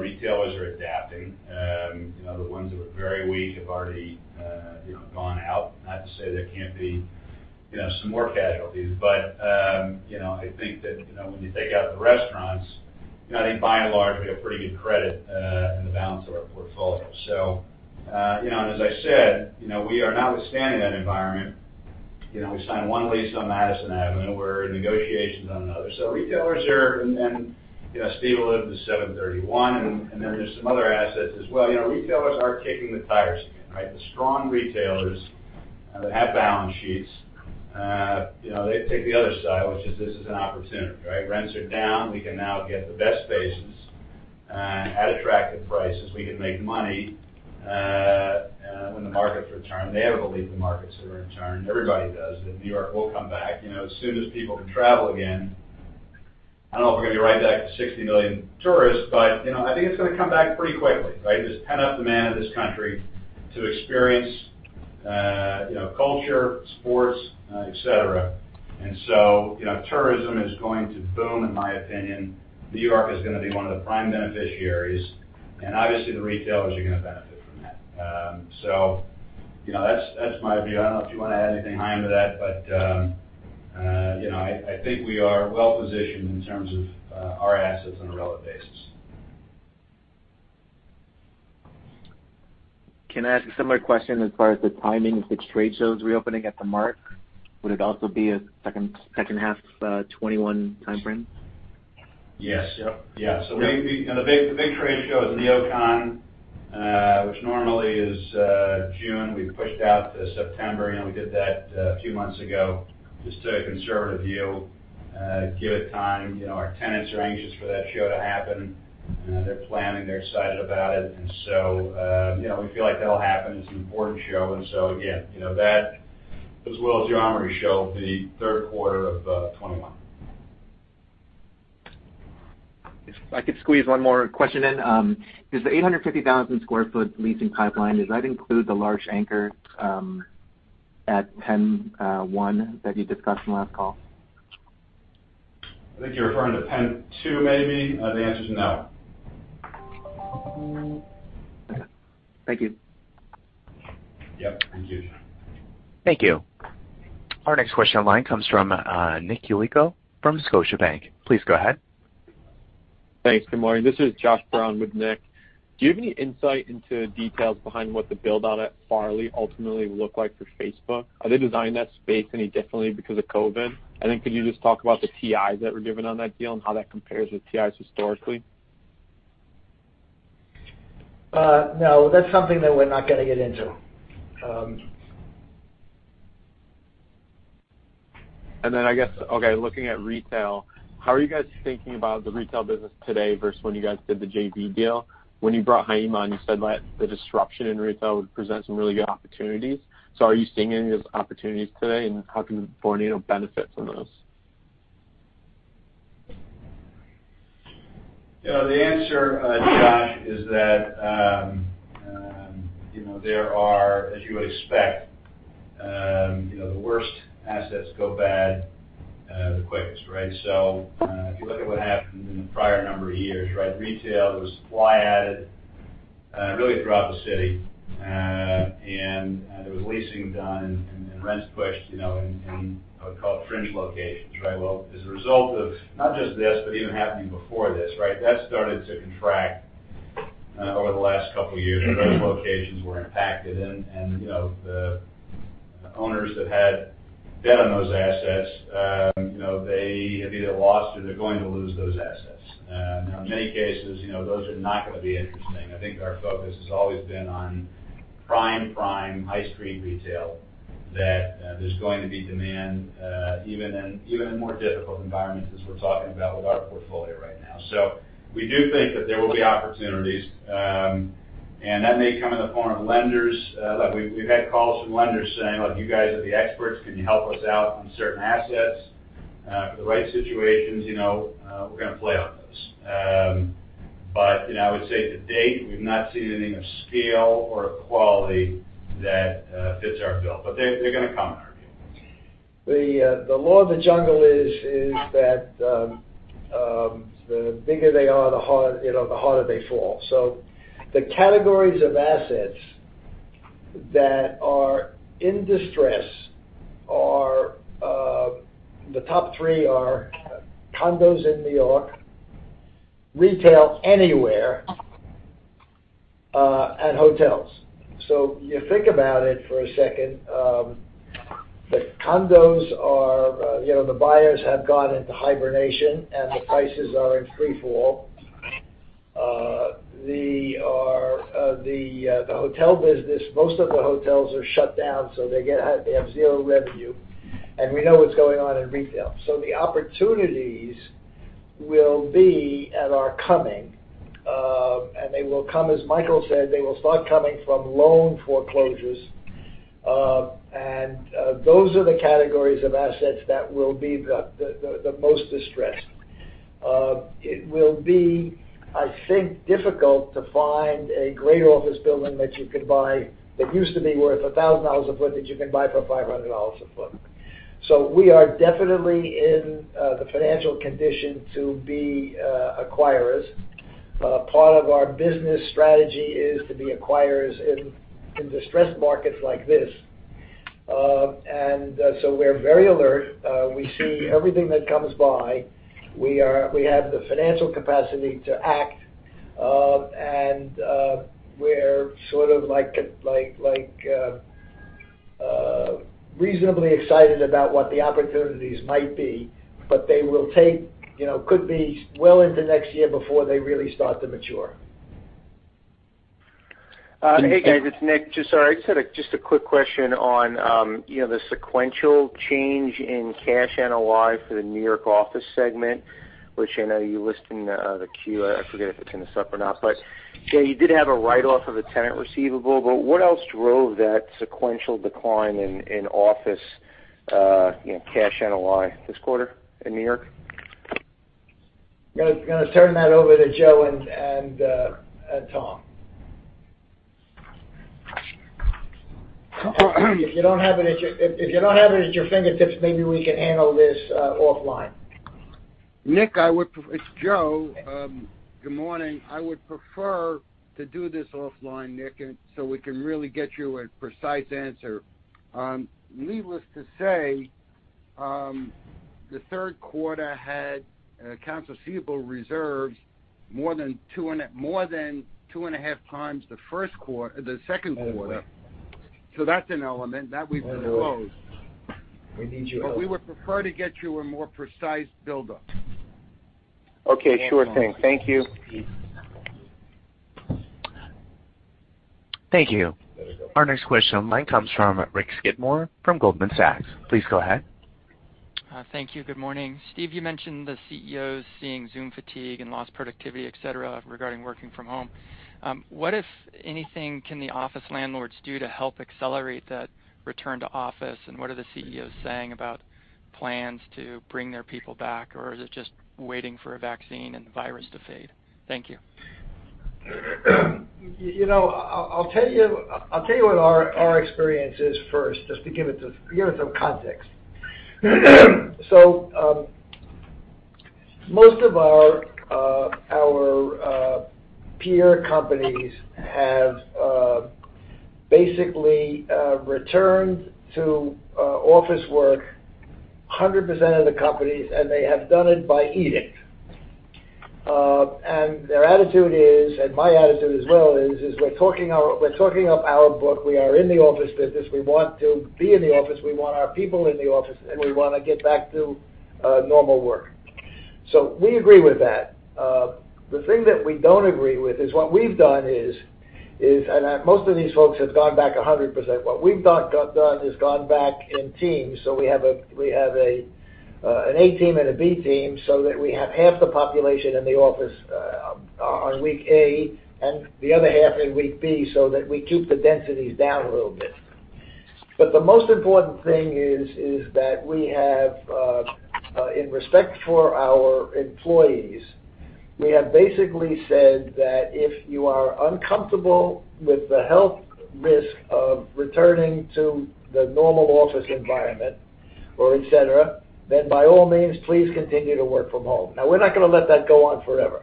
Retailers are adapting. The ones that were very weak have already gone out. Not to say there can't be some more casualties. I think that when you take out the restaurants, I think by and large, we have pretty good credit in the balance of our portfolio. As I said, notwithstanding that environment, we signed one lease on Madison Avenue. We're in negotiations on another. So Retailers are there and Steven alluded to 731. There's some other assets as well. Retailers are kicking the tires again, right? The strong retailers that have balance sheets they take the other side, which is this is an opportunity, right? Rents are down. We can now get the best spaces at attractive prices. We can make money when the markets return. They have a belief the markets are going to return. Everybody does, that New York will come back as soon as people can travel again. I don't know if we're going to be right back to 60 million tourists, but I think it's going to come back pretty quickly, right? There's pent-up demand in this country to experience culture, sports, et cetera. Tourism is going to boom, in my opinion. New York is going to be one of the prime beneficiaries, obviously the retailers are going to benefit from that. That's my view. I don't know if you want to add anything, Haim, to that, but I think we are well positioned in terms of our assets on a relative basis. Can I ask a similar question as far as the timing of the trade shows reopening at the Mart? Would it also be a second half 2021 timeframe? Yes. Yep. Yeah. The big trade show is NeoCon, which normally is June. We've pushed out to September. We did that a few months ago, just took a conservative view. Give it time. Our tenants are anxious for that show to happen. They're planning, they're excited about it, and so we feel like that'll happen. It's an important show. Again, that as well as The Armory Show, the third quarter of 2021. If I could squeeze one more question in. Does the 850,000 sq ft leasing pipeline include the large anchor at PENN 1 that you discussed on last call? I think you're referring to PENN 2, maybe. The answer's no. Okay. Thank you. Yep. Thank you. Thank you. Our next question online comes from Nick Yulico from Scotiabank. Please go ahead. Thanks. Good morning. This is Josh Brown with Nick. Do you have any insight into details behind what the build-out at Farley ultimately will look like for Facebook? Have they designed that space any differently because of COVID? Then could you just talk about the TIs that were given on that deal and how that compares with TIs historically? No, that's something that we're not going to get into. I guess, okay, looking at retail, how are you guys thinking about the retail business today versus when you guys did the JV deal? When you brought Haim on, you said the disruption in retail would present some really good opportunities. Are you seeing any of those opportunities today, and how can Vornado benefit from those? The answer, Josh, is that there are, as you would expect, the worst assets go bad the quickest, right? If you look at what happened in the prior number of years, retail, there was supply added really throughout the city. There was leasing done and rents pushed in, I would call it fringe locations, right? Well, as a result of not just this, but even happening before this, that started to contract over the last couple years. Those locations were impacted, and the owners that had debt on those assets have either lost or they're going to lose those assets. In many cases those are not going to be interesting. I think our focus has always been on prime high street retail, that there's going to be demand even in more difficult environments as we're talking about with our portfolio right now. We do think that there will be opportunities, and that may come in the form of lenders. We've had calls from lenders saying, "You guys are the experts. Can you help us out on certain assets?" For the right situations we're going to play on those. I would say to date, we've not seen anything of scale or of quality that fits our bill. They're going to come in our view. The law of the jungle is that the bigger they are, the harder they fall. The categories of assets that are in distress, the top three are condos in New York, retail anywhere, and hotels. You think about it for a second. The condos are the buyers have gone into hibernation, and the prices are in free fall. The hotel business, most of the hotels are shut down, so they have zero revenue, and we know what's going on in retail. The opportunities will be, and are coming, and they will come, as Michael said, they will start coming from loan foreclosures. Those are the categories of assets that will be the most distressed. It will be, I think, difficult to find a great office building that you could buy that used to be worth $1,000 a foot that you can buy for $500 a foot. We are definitely in the financial condition to be acquirers. Part of our business strategy is to be acquirers in distressed markets like this. We're very alert. We see everything that comes by. We have the financial capacity to act, and we're sort of reasonably excited about what the opportunities might be, but they could be well into next year before they really start to mature. Hey guys, it's Nick. Just sorry, I just had a quick question on the sequential change in cash NOI for the New York office segment, which I know you listed in the Q. I forget if it's in the sup or not, but you did have a write-off of a tenant receivable, but what else drove that sequential decline in office cash NOI this quarter in New York? Going to turn that over to Joe and Tom. If you don't have it at your fingertips, maybe we can handle this offline. Nick, it's Joe. Good morning. I would prefer to do this offline, Nick. We can really get you a precise answer. Needless to say, the third quarter had accounts receivable reserves more than two and a half times the second quarter. That's an element that we've disclosed. We need you. We would prefer to get you a more precise buildup. Okay. Sure thing. Thank you. Steve. Thank you. Our next question line comes from Richard Skidmore from Goldman Sachs. Please go ahead. Thank you. Good morning. Steve, you mentioned the CEOs seeing Zoom fatigue and lost productivity, et cetera, regarding working from home. What, if anything, can the office landlords do to help accelerate that return to office, and what are the CEOs saying about plans to bring their people back, or is it just waiting for a vaccine and the virus to fade? Thank you. I'll tell you what our experience is first, just to give it some context. Most of our peer companies have basically returned to office work, 100% of the companies, and they have done it by edict. Their attitude is, and my attitude as well is, we're talking up our book. We are in the office business. We want to be in the office. We want our people in the office, and we want to get back to normal work. We agree with that. The thing that we don't agree with is what we've done is, and most of these folks have gone back 100%. What we've done is gone back in teams, so we have an A team and a B team, so that we have half the population in the office on week A, and the other half in week B, so that we keep the densities down a little bit. The most important thing is that we have, in respect for our employees, we have basically said that if you are uncomfortable with the health risk of returning to the normal office environment or et cetera, then by all means, please continue to work from home. Now, we're not going to let that go on forever.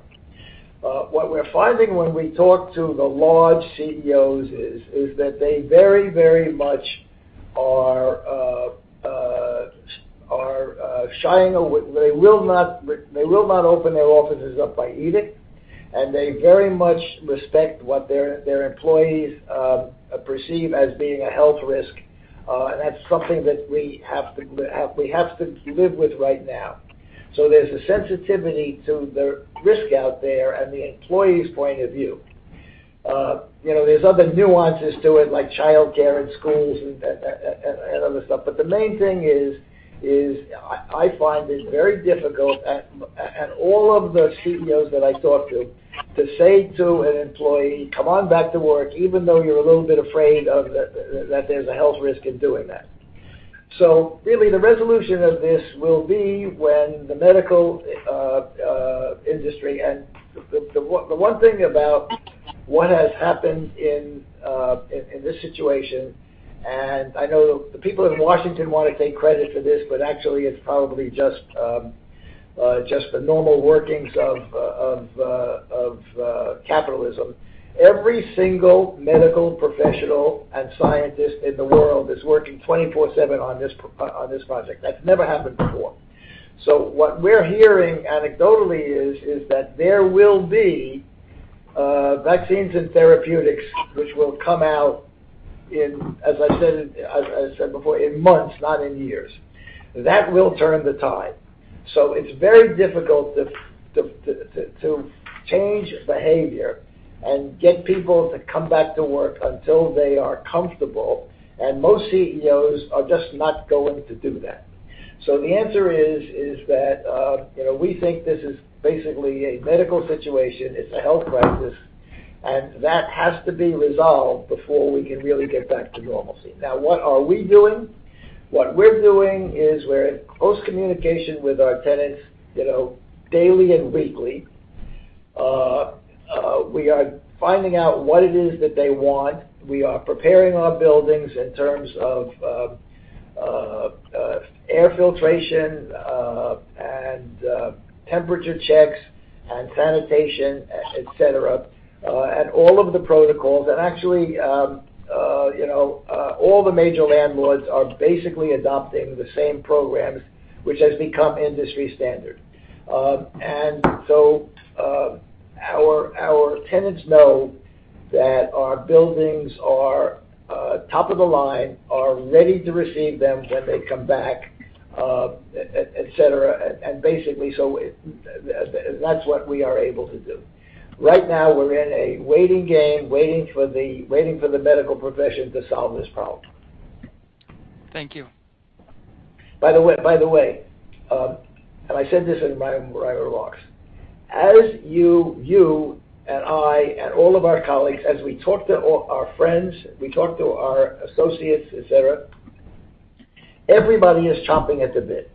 What we're finding when we talk to the large CEOs is that they very much are shying away. They will not open their offices up by edict, they very much respect what their employees perceive as being a health risk. That's something that we have to live with right now. There's a sensitivity to the risk out there and the employee's point of view. There's other nuances to it, like childcare and schools and other stuff. The main thing is, I find it very difficult, and all of the CEOs that I talk to say to an employee, "Come on back to work, even though you're a little bit afraid that there's a health risk in doing that." Really, the resolution of this will be when the medical industry. The one thing about what has happened in this situation, and I know the people in Washington want to take credit for this, but actually it's probably just the normal workings of capitalism. Every single medical professional and scientist in the world is working 24/7 on this project. That's never happened before. What we're hearing anecdotally is that there will be vaccines and therapeutics which will come out in, as I said before, in months, not in years. That will turn the tide. It's very difficult to change behavior and get people to come back to work until they are comfortable, and most CEOs are just not going to do that. The answer is that we think this is basically a medical situation. It's a health crisis, and that has to be resolved before we can really get back to normalcy. What are we doing? What we're doing is we're in close communication with our tenants daily and weekly. We are finding out what it is that they want. We are preparing our buildings in terms of air filtration and temperature checks and sanitation, et cetera, and all of the protocols. Actually, all the major landlords are basically adopting the same programs, which has become industry standard. Our tenants know that our buildings are top of the line, are ready to receive them when they come back, et cetera. Basically, that's what we are able to do. Right now, we're in a waiting game, waiting for the medical profession to solve this problem. Thank you. By the way, I said this in my remarks. As you and I and all of our colleagues, as we talk to all our friends, we talk to our associates, et cetera. Everybody is chomping at the bit.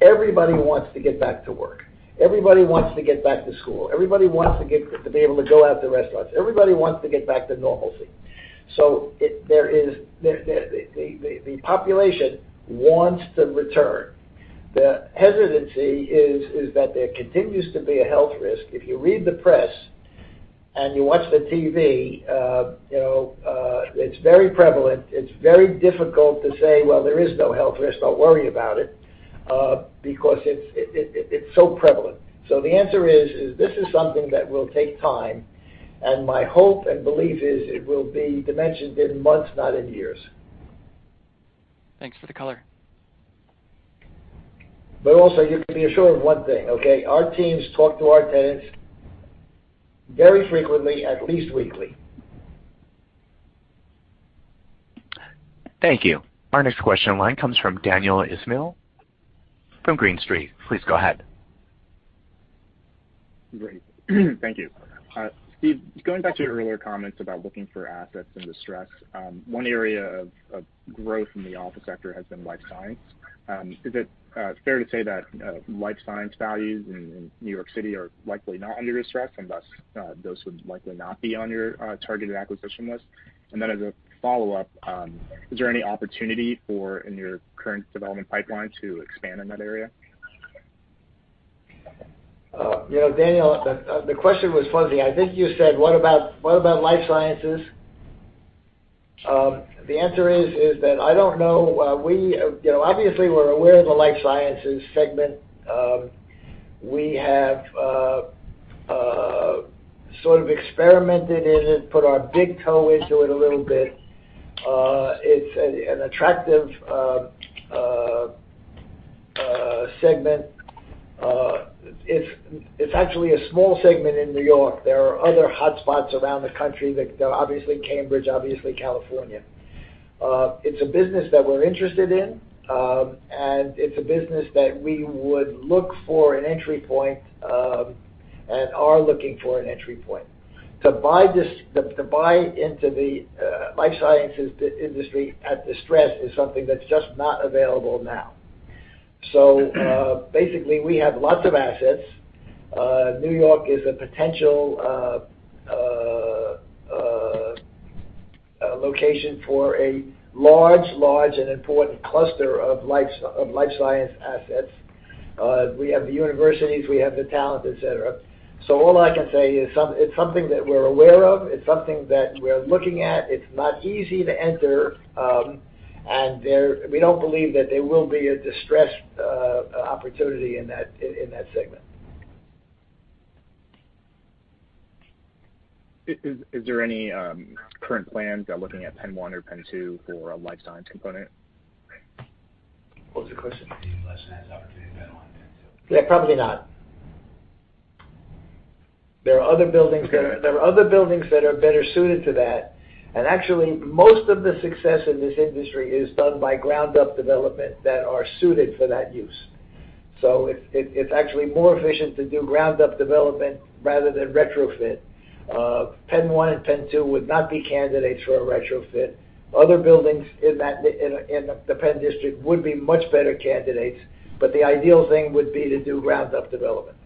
Everybody wants to get back to work. Everybody wants to get back to school. Everybody wants to be able to go out to restaurants. Everybody wants to get back to normalcy. The population wants to return. The hesitancy is that there continues to be a health risk. If you read the press and you watch the TV, it's very prevalent. It's very difficult to say, "Well, there is no health risk. Don't worry about it." Because it's so prevalent. The answer is, this is something that will take time, and my hope and belief is it will be dimensioned in months, not in years. Thanks for the color. Also, you can be assured of one thing, okay? Our teams talk to our tenants very frequently, at least weekly. Thank you. Our next question line comes from Daniel Ismail from Green Street. Please go ahead. Great. Thank you. Steve, going back to your earlier comments about looking for assets in distress, one area of growth in the office sector has been life science. Is it fair to say that life science values in New York City are likely not under distress, and thus those would likely not be on your targeted acquisition list? As a follow-up, is there any opportunity for, in your current development pipeline, to expand in that area? Daniel, the question was fuzzy. I think you said, what about life sciences? The answer is that I don't know. Obviously, we're aware of the life sciences segment. We have sort of experimented in it, put our big toe into it a little bit. It's an attractive segment. It's actually a small segment in New York. There are other hotspots around the country. Obviously Cambridge, obviously California. It's a business that we're interested in, and it's a business that we would look for an entry point, and are looking for an entry point. To buy into the life sciences industry at distress is something that's just not available now. Basically, we have lots of assets. New York is a potential location for a large and important cluster of life science assets. We have the universities, we have the talent, et cetera. All I can say is it's something that we're aware of. It's something that we're looking at. It's not easy to enter. We don't believe that there will be a distressed opportunity in that segment. Is there any current plans looking at PENN 1 or PENN 2 for a life science component? What was the question? Do you have less than an opportunity at PENN 1 and PENN 2? Yeah, probably not. There are other buildings that are better suited to that, and actually, most of the success in this industry is done by ground-up development that are suited for that use. It's actually more efficient to do ground-up development rather than retrofit. PENN 1 and PENN 2 would not be candidates for a retrofit. Other buildings in the Penn District would be much better candidates, but the ideal thing would be to do ground-up development.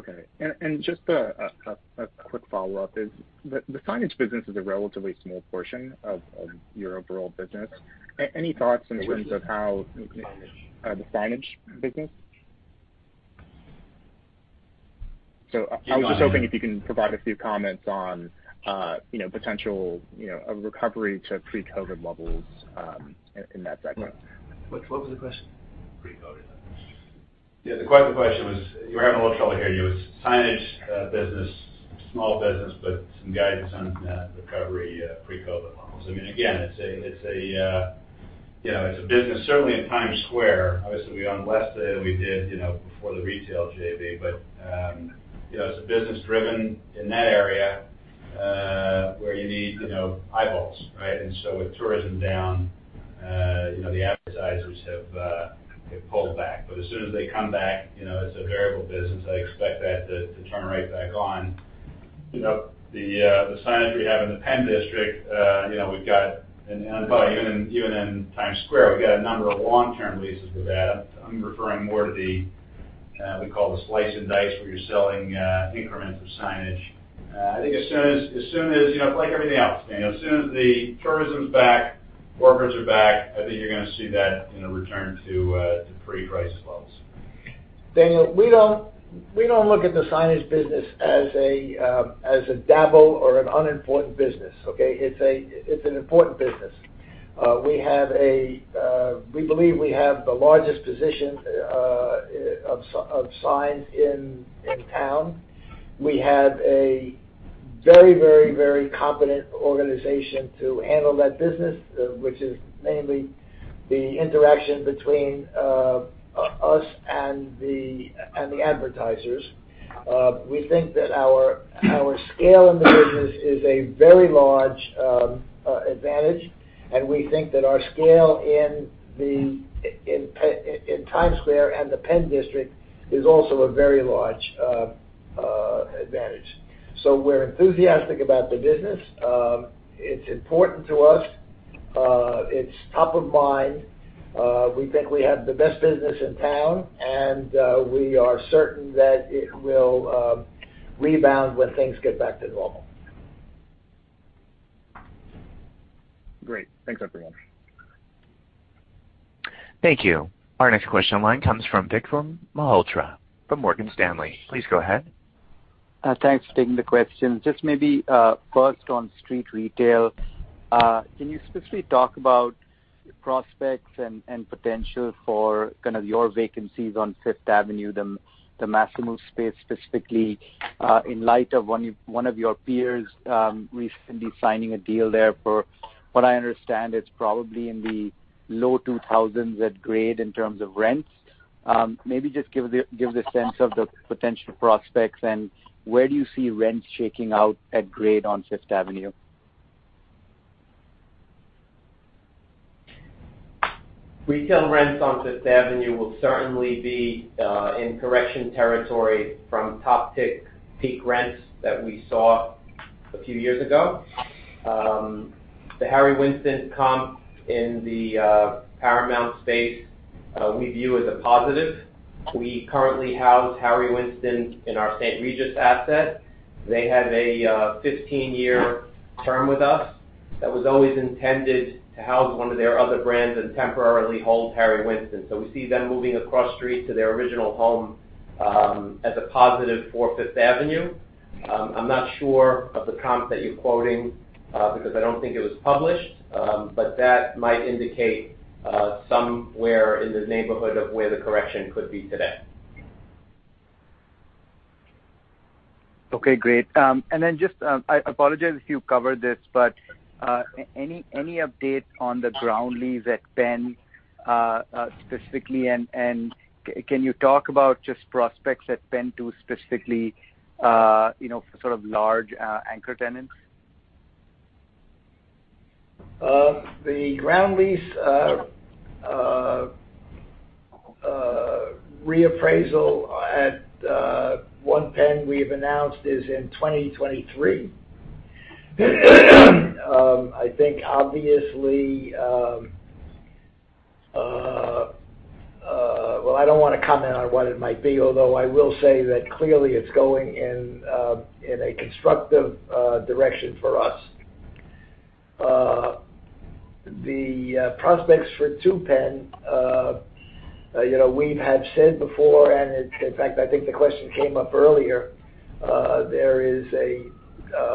Okay. Just a quick follow-up is the signage business is a relatively small portion of your overall business. Any thoughts in terms of how? Which business? Signage. The signage business. I was just hoping if you can provide a few comments on potential of recovery to pre-COVID levels in that segment. What was the question? Pre-COVID levels. Yeah. The question was, we were having a little trouble hearing you. It's signage business, small business, but some guidance on recovery pre-COVID levels. Again, it's a business certainly in Times Square. Obviously, we own less than we did before the retail JV. It's a business driven in that area, where you need eyeballs, right? With tourism down, the advertisers have pulled back. As soon as they come back, it's a variable business. I expect that to turn right back on. The signage we have in the Penn District, and probably even in Times Square, we've got a number of long-term leases with that. I'm referring more to the, we call the slice and dice, where you're selling increments of signage. I think it's like everything else. As soon as the tourism's back, workers are back, I think you're going to see that return to pre-crisis levels. Daniel, we don't look at the signage business as a dabble or an unimportant business, okay? It's an important business. We believe we have the largest position of signs in town. We have a very competent organization to handle that business, which is mainly the interaction between us and the advertisers. We think that our scale in the business is a very large advantage, and we think that our scale in Times Square and the Penn District is also a very large advantage. We're enthusiastic about the business. It's important to us. It's top of mind. We think we have the best business in town, and we are certain that it will rebound when things get back to normal. Great. Thanks, everyone. Thank you. Our next question online comes from Vikram Malhotra from Morgan Stanley. Please go ahead. Thanks for taking the question. Just maybe first on street retail, can you specifically talk about prospects and potential for kind of your vacancies on Fifth Avenue, the Paramount space specifically, in light of one of your peers recently signing a deal there for, what I understand it's probably in the low $2,000s at grade in terms of rents. Maybe just give the sense of the potential prospects, and where do you see rents shaking out at grade on Fifth Avenue? Retail rents on Fifth Avenue will certainly be in correction territory from top tick peak rents that we saw a few years ago. The Harry Winston comp in the Paramount space we view as a positive. We currently house Harry Winston in our St. Regis asset. They have a 15-year term with us that was always intended to house one of their other brands and temporarily hold Harry Winston. We see them moving across street to their original home as a positive for Fifth Avenue. I'm not sure of the comp that you're quoting, because I don't think it was published. That might indicate somewhere in the neighborhood of where the correction could be today. Okay, great. I apologize if you covered this, but any updates on the ground lease at Penn specifically, and can you talk about just prospects at Penn to specifically sort of large anchor tenants? The ground lease reappraisal at One Penn, we've announced, is in 2023. I think obviously I don't want to comment on what it might be, although I will say that clearly it's going in a constructive direction for us. The prospects for Two Penn, we have said before, and in fact, I think the question came up earlier, there is a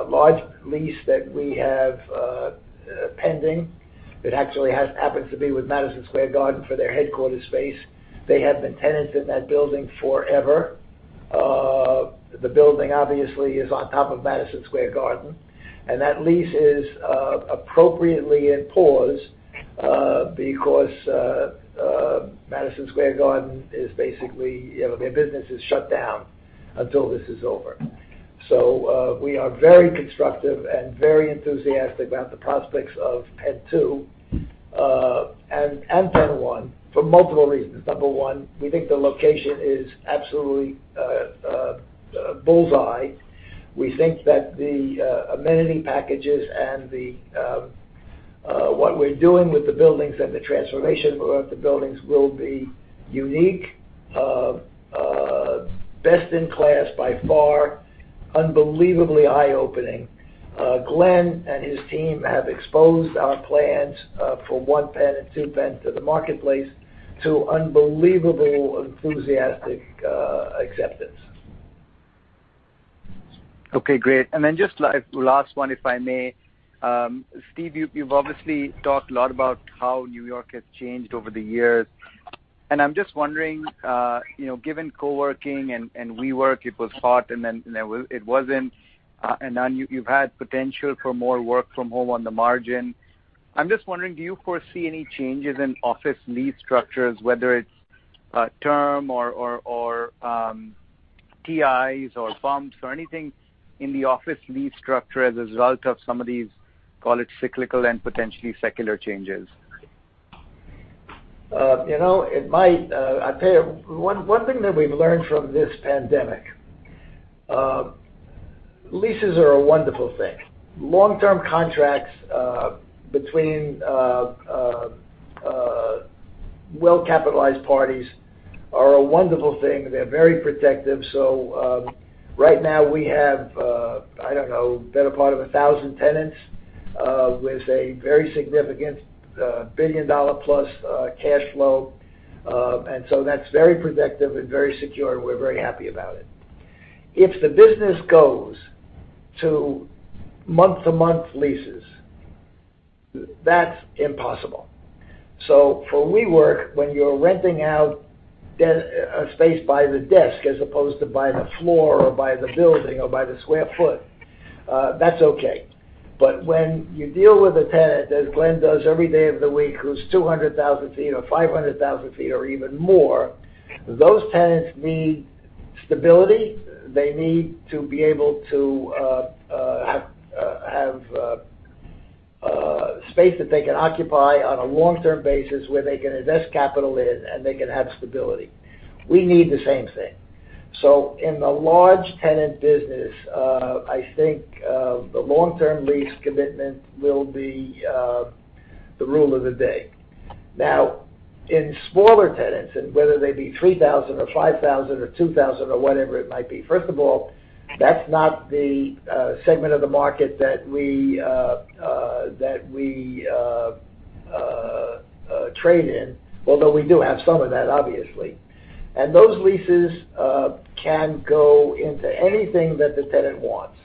large lease that we have pending that actually happens to be with Madison Square Garden for their headquarters space. They have been tenants in that building forever. The building obviously is on top of Madison Square Garden. That lease is appropriately in pause because Madison Square Garden is basically, their business is shut down until this is over. We are very constructive and very enthusiastic about the prospects of Penn 2, and Penn 1, for multiple reasons. Number one, we think the location is absolutely bullseye. We think that the amenity packages, and what we're doing with the buildings and the transformation of the buildings will be unique, best in class by far, unbelievably eye-opening. Glen and his team have exposed our plans for One Penn and Two Penn to the marketplace to unbelievable enthusiastic acceptance. Okay, great. Then just last one, if I may. Steve, you've obviously talked a lot about how New York has changed over the years, and I'm just wondering, given co-working and WeWork, it was hot and then it wasn't, and now you've had potential for more work from home on the margin. I'm just wondering, do you foresee any changes in office lease structures, whether it's term or TIs or bumps or anything in the office lease structure as a result of some of these, call it cyclical and potentially secular changes? It might. I tell you, one thing that we've learned from this pandemic, leases are a wonderful thing. Long-term contracts between well-capitalized parties are a wonderful thing. They're very protective. Right now we have, I don't know, better part of 1,000 tenants with a very significant $1 billion-plus cash flow.. That's very protective and very secure, and we're very happy about it. If the business goes to month-to-month leases, that's impossible. So For WeWork, when you're renting out a space by the desk as opposed to by the floor or by the building or by the square foot, that's okay. When you deal with a tenant, as Glen does every day of the week, who's 200,000 feet or 500,000 feet or even more, those tenants need stability. They need to be able to have space that they can occupy on a long-term basis where they can invest capital in and they can have stability. We need the same thing. In the large tenant business, I think the long-term lease commitment will be the rule of the day. In smaller tenants, whether they be 3,000 or 5,000 or 2,000 or whatever it might be, first of all, that's not the segment of the market that we trade in, although we do have some of that, obviously. Those leases can go into anything that the tenant wants.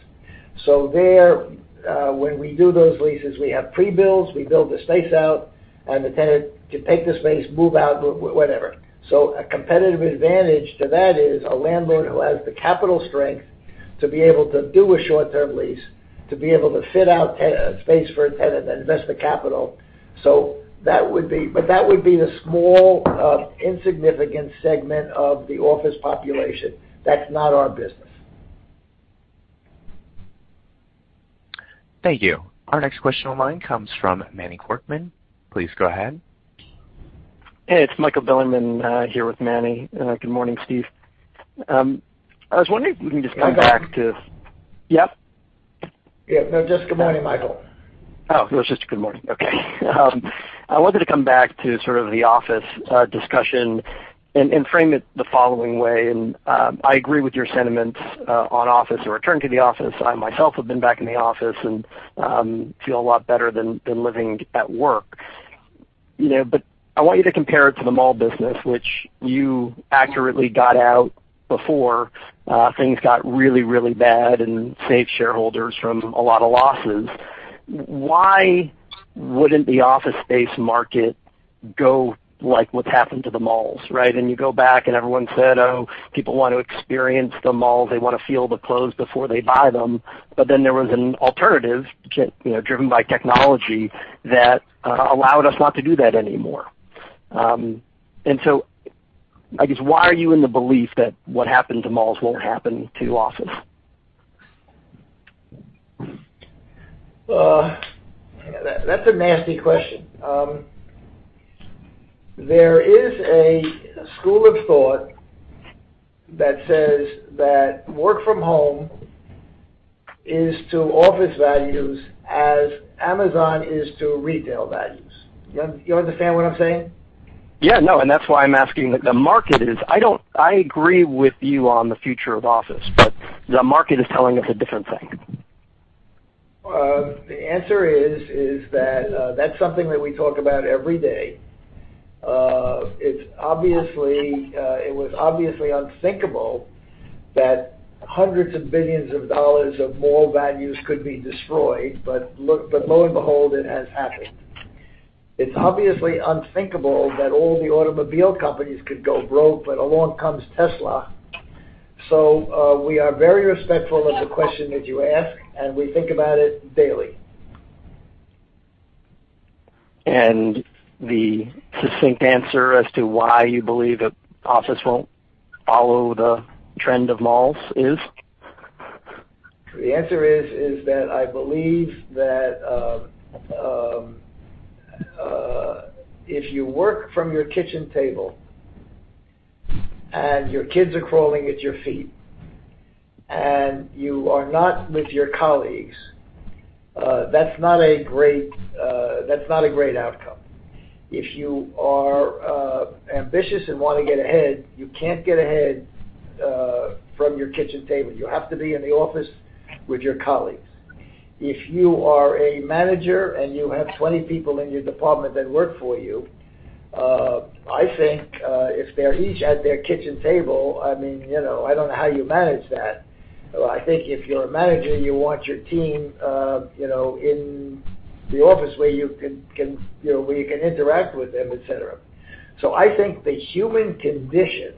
There, when we do those leases, we have pre-builds, we build the space out, and the tenant can take the space, move out, whatever. A competitive advantage to that is a landlord who has the capital strength to be able to do a short-term lease, to be able to fit out space for a tenant and invest the capital. That would be the small, insignificant segment of the office population. That's not our business. Thank you. Our next question online comes from Manny Korchman. Please go ahead. Hey, it's Michael Bilerman here with Manny. Good morning, Steve. I was wondering if we can just come back to. Good morning. Yep. Yeah. No, just good morning, Michael. It was just a good morning. Okay. I wanted to come back to sort of the office discussion and frame it the following way, and I agree with your sentiments on office or return to the office. I myself have been back in the office and feel a lot better than living at work. I want you to compare it to the mall business, which you accurately got out before things got really, really bad and saved shareholders from a lot of losses. Why wouldn't the office space market go like what's happened to the malls, right? You go back and everyone said, "Oh, people want to experience the mall. They want to feel the clothes before they buy them." Then there was an alternative driven by technology that allowed us not to do that anymore. I guess, why are you in the belief that what happened to malls won't happen to office? That's a nasty question. There is a school of thought that says that work from home is to office values as Amazon is to retail values. You understand what I'm saying? Yeah, no, and that's why I'm asking. I agree with you on the future of office, but the market is telling us a different thing. The answer is that's something that we talk about every day. It was obviously unthinkable that hundreds of billions of dollars of mall values could be destroyed, but lo and behold, it has happened. It's obviously unthinkable that all the automobile companies could go broke, but along comes Tesla. We are very respectful of the question that you ask, and we think about it daily. The succinct answer as to why you believe that office won't follow the trend of malls is? The answer is that I believe that, if you work from your kitchen table, and your kids are crawling at your feet, and you are not with your colleagues, that's not a great outcome. If you are ambitious and want to get ahead, you can't get ahead from your kitchen table. You have to be in the office with your colleagues. If you are a manager and you have 20 people in your department that work for you, I think, if they're each at their kitchen table, I don't know how you manage that. I think if you're a manager, you want your team in the office where you can interact with them, et cetera. I think the human condition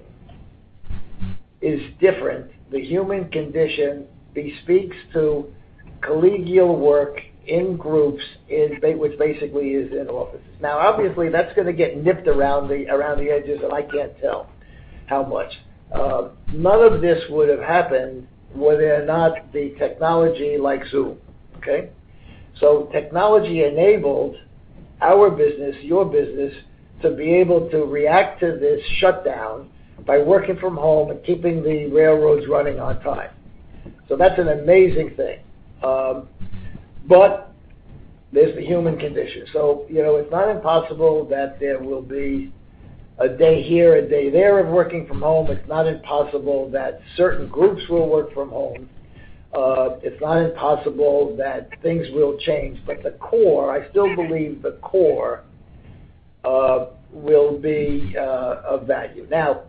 is different. The human condition speaks to collegial work in groups which basically is in offices. Obviously, that's going to get nipped around the edges, and I can't tell how much. None of this would have happened were there not the technology like Zoom. Okay. Technology enabled our business, your business, to be able to react to this shutdown by working from home and keeping the railroads running on time. That's an amazing thing. There's the human condition. It's not impossible that there will be a day here, a day there of working from home. It's not impossible that certain groups will work from home. It's not impossible that things will change. The core, I still believe the core will be of value.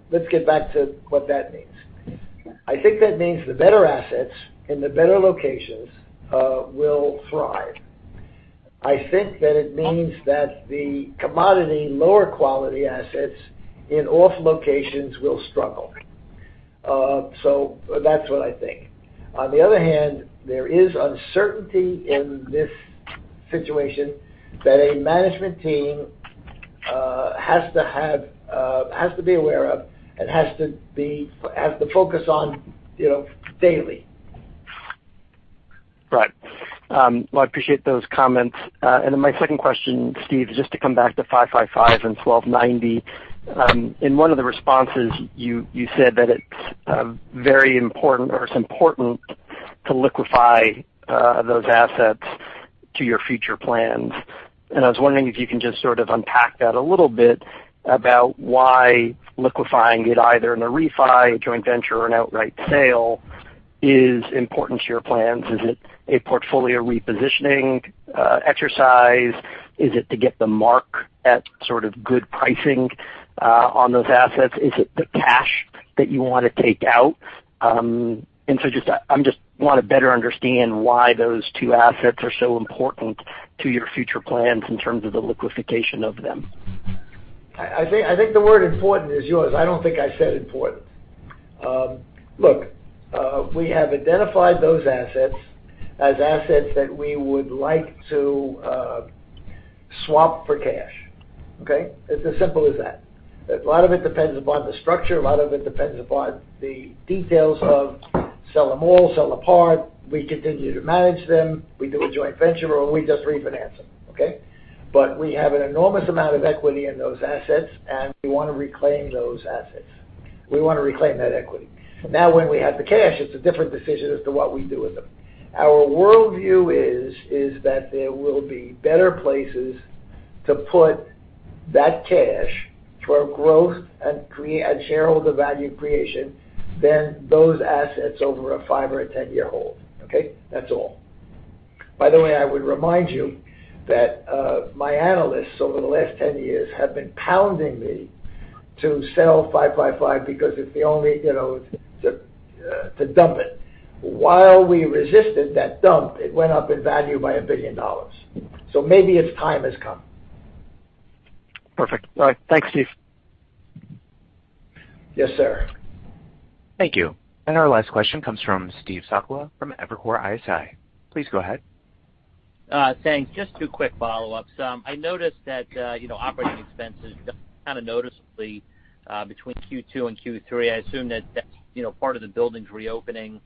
Let's get back to what that means. I think that means the better assets in the better locations will thrive. I think that it means that the commodity lower quality assets in off locations will struggle. That's what I think. On the other hand, there is uncertainty in this situation that a management team has to be aware of and has to focus on daily. Right. Well, I appreciate those comments. My second question, Steve, is just to come back to 555 and 1290. In one of the responses, you said that it's very important or it's important to liquefy those assets to your future plans. I was wondering if you can just sort of unpack that a little bit about why liquefying it, either in a refi, a joint venture, or an outright sale is important to your plans. Is it a portfolio repositioning exercise? Is it to get the mark at sort of good pricing on those assets? Is it the cash that you want to take out? I just want to better understand why those two assets are so important to your future plans in terms of the liquefaction of them. I think the word important is yours. I don't think I said important. Look, we have identified those assets as assets that we would like to swap for cash. Okay? It's as simple as that. A lot of it depends upon the structure. A lot of it depends upon the details of sell them all, sell them apart. We continue to manage them. We do a joint venture, or we just refinance them. Okay? We have an enormous amount of equity in those assets, and we want to reclaim those assets. We want to reclaim that equity. Now when we have the cash, it's a different decision as to what we do with them. Our worldview is that there will be better places to put that cash for growth and shareholder value creation than those assets over a five or a 10-year hold. Okay? That's all. By the way, I would remind you that my analysts over the last 10 years have been pounding me to sell 555 because it's the only To dump it. While we resisted that dump, it went up in value by $1 billion. Maybe its time has come. Perfect. All right. Thanks, Steve. Yes, sir. Thank you. Our last question comes from Steve Sakwa from Evercore ISI. Please go ahead. Thanks. Just two quick follow-ups. I noticed that operating expenses jumped kind of noticeably between Q2 and Q3. I assume that that's part of the buildings reopening.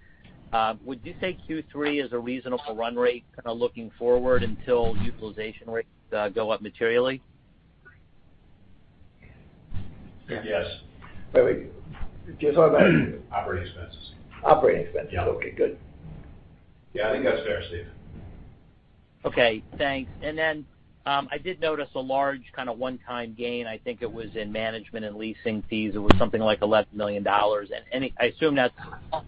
Would you say Q3 is a reasonable run rate kind of looking forward until utilization rates go up materially? Yes. You're talking about? Operating expenses. Operating expenses. Yeah. Okay, good. Yeah, I think that's fair, Steve. Okay, thanks. I did notice a large kind of one-time gain. I think it was in management and leasing fees. It was something like $11 million. I assume that's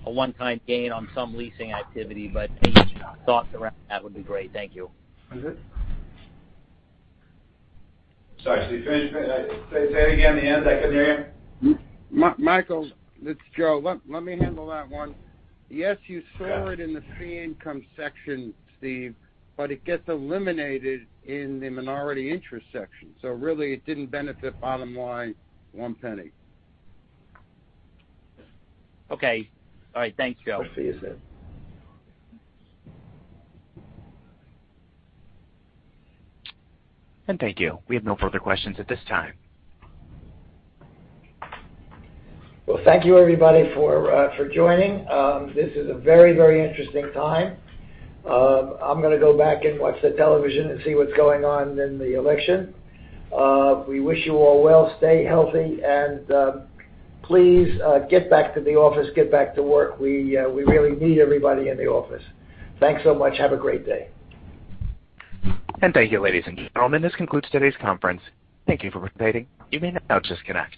a one-time gain on some leasing activity, but any thoughts around that would be great. Thank you. Was it? Sorry, Steve, say that again at the end. I couldn't hear you. Michael, it's Joe. Let me handle that one. Yes, you saw it in the fee income section, Steve, but it gets eliminated in the minority interest section. Really it didn't benefit bottom line one penny. Okay. All right. Thanks, Joe. See you, Steve. Thank you. We have no further questions at this time. Well, thank you everybody for joining. This is a very interesting time. I'm going to go back and watch the television and see what's going on in the election. We wish you all well. Stay healthy and, please get back to the office, get back to work. We really need everybody in the office. Thanks so much. Have a great day. Thank you, ladies and gentlemen. This concludes today's conference. Thank you for participating. You may now disconnect.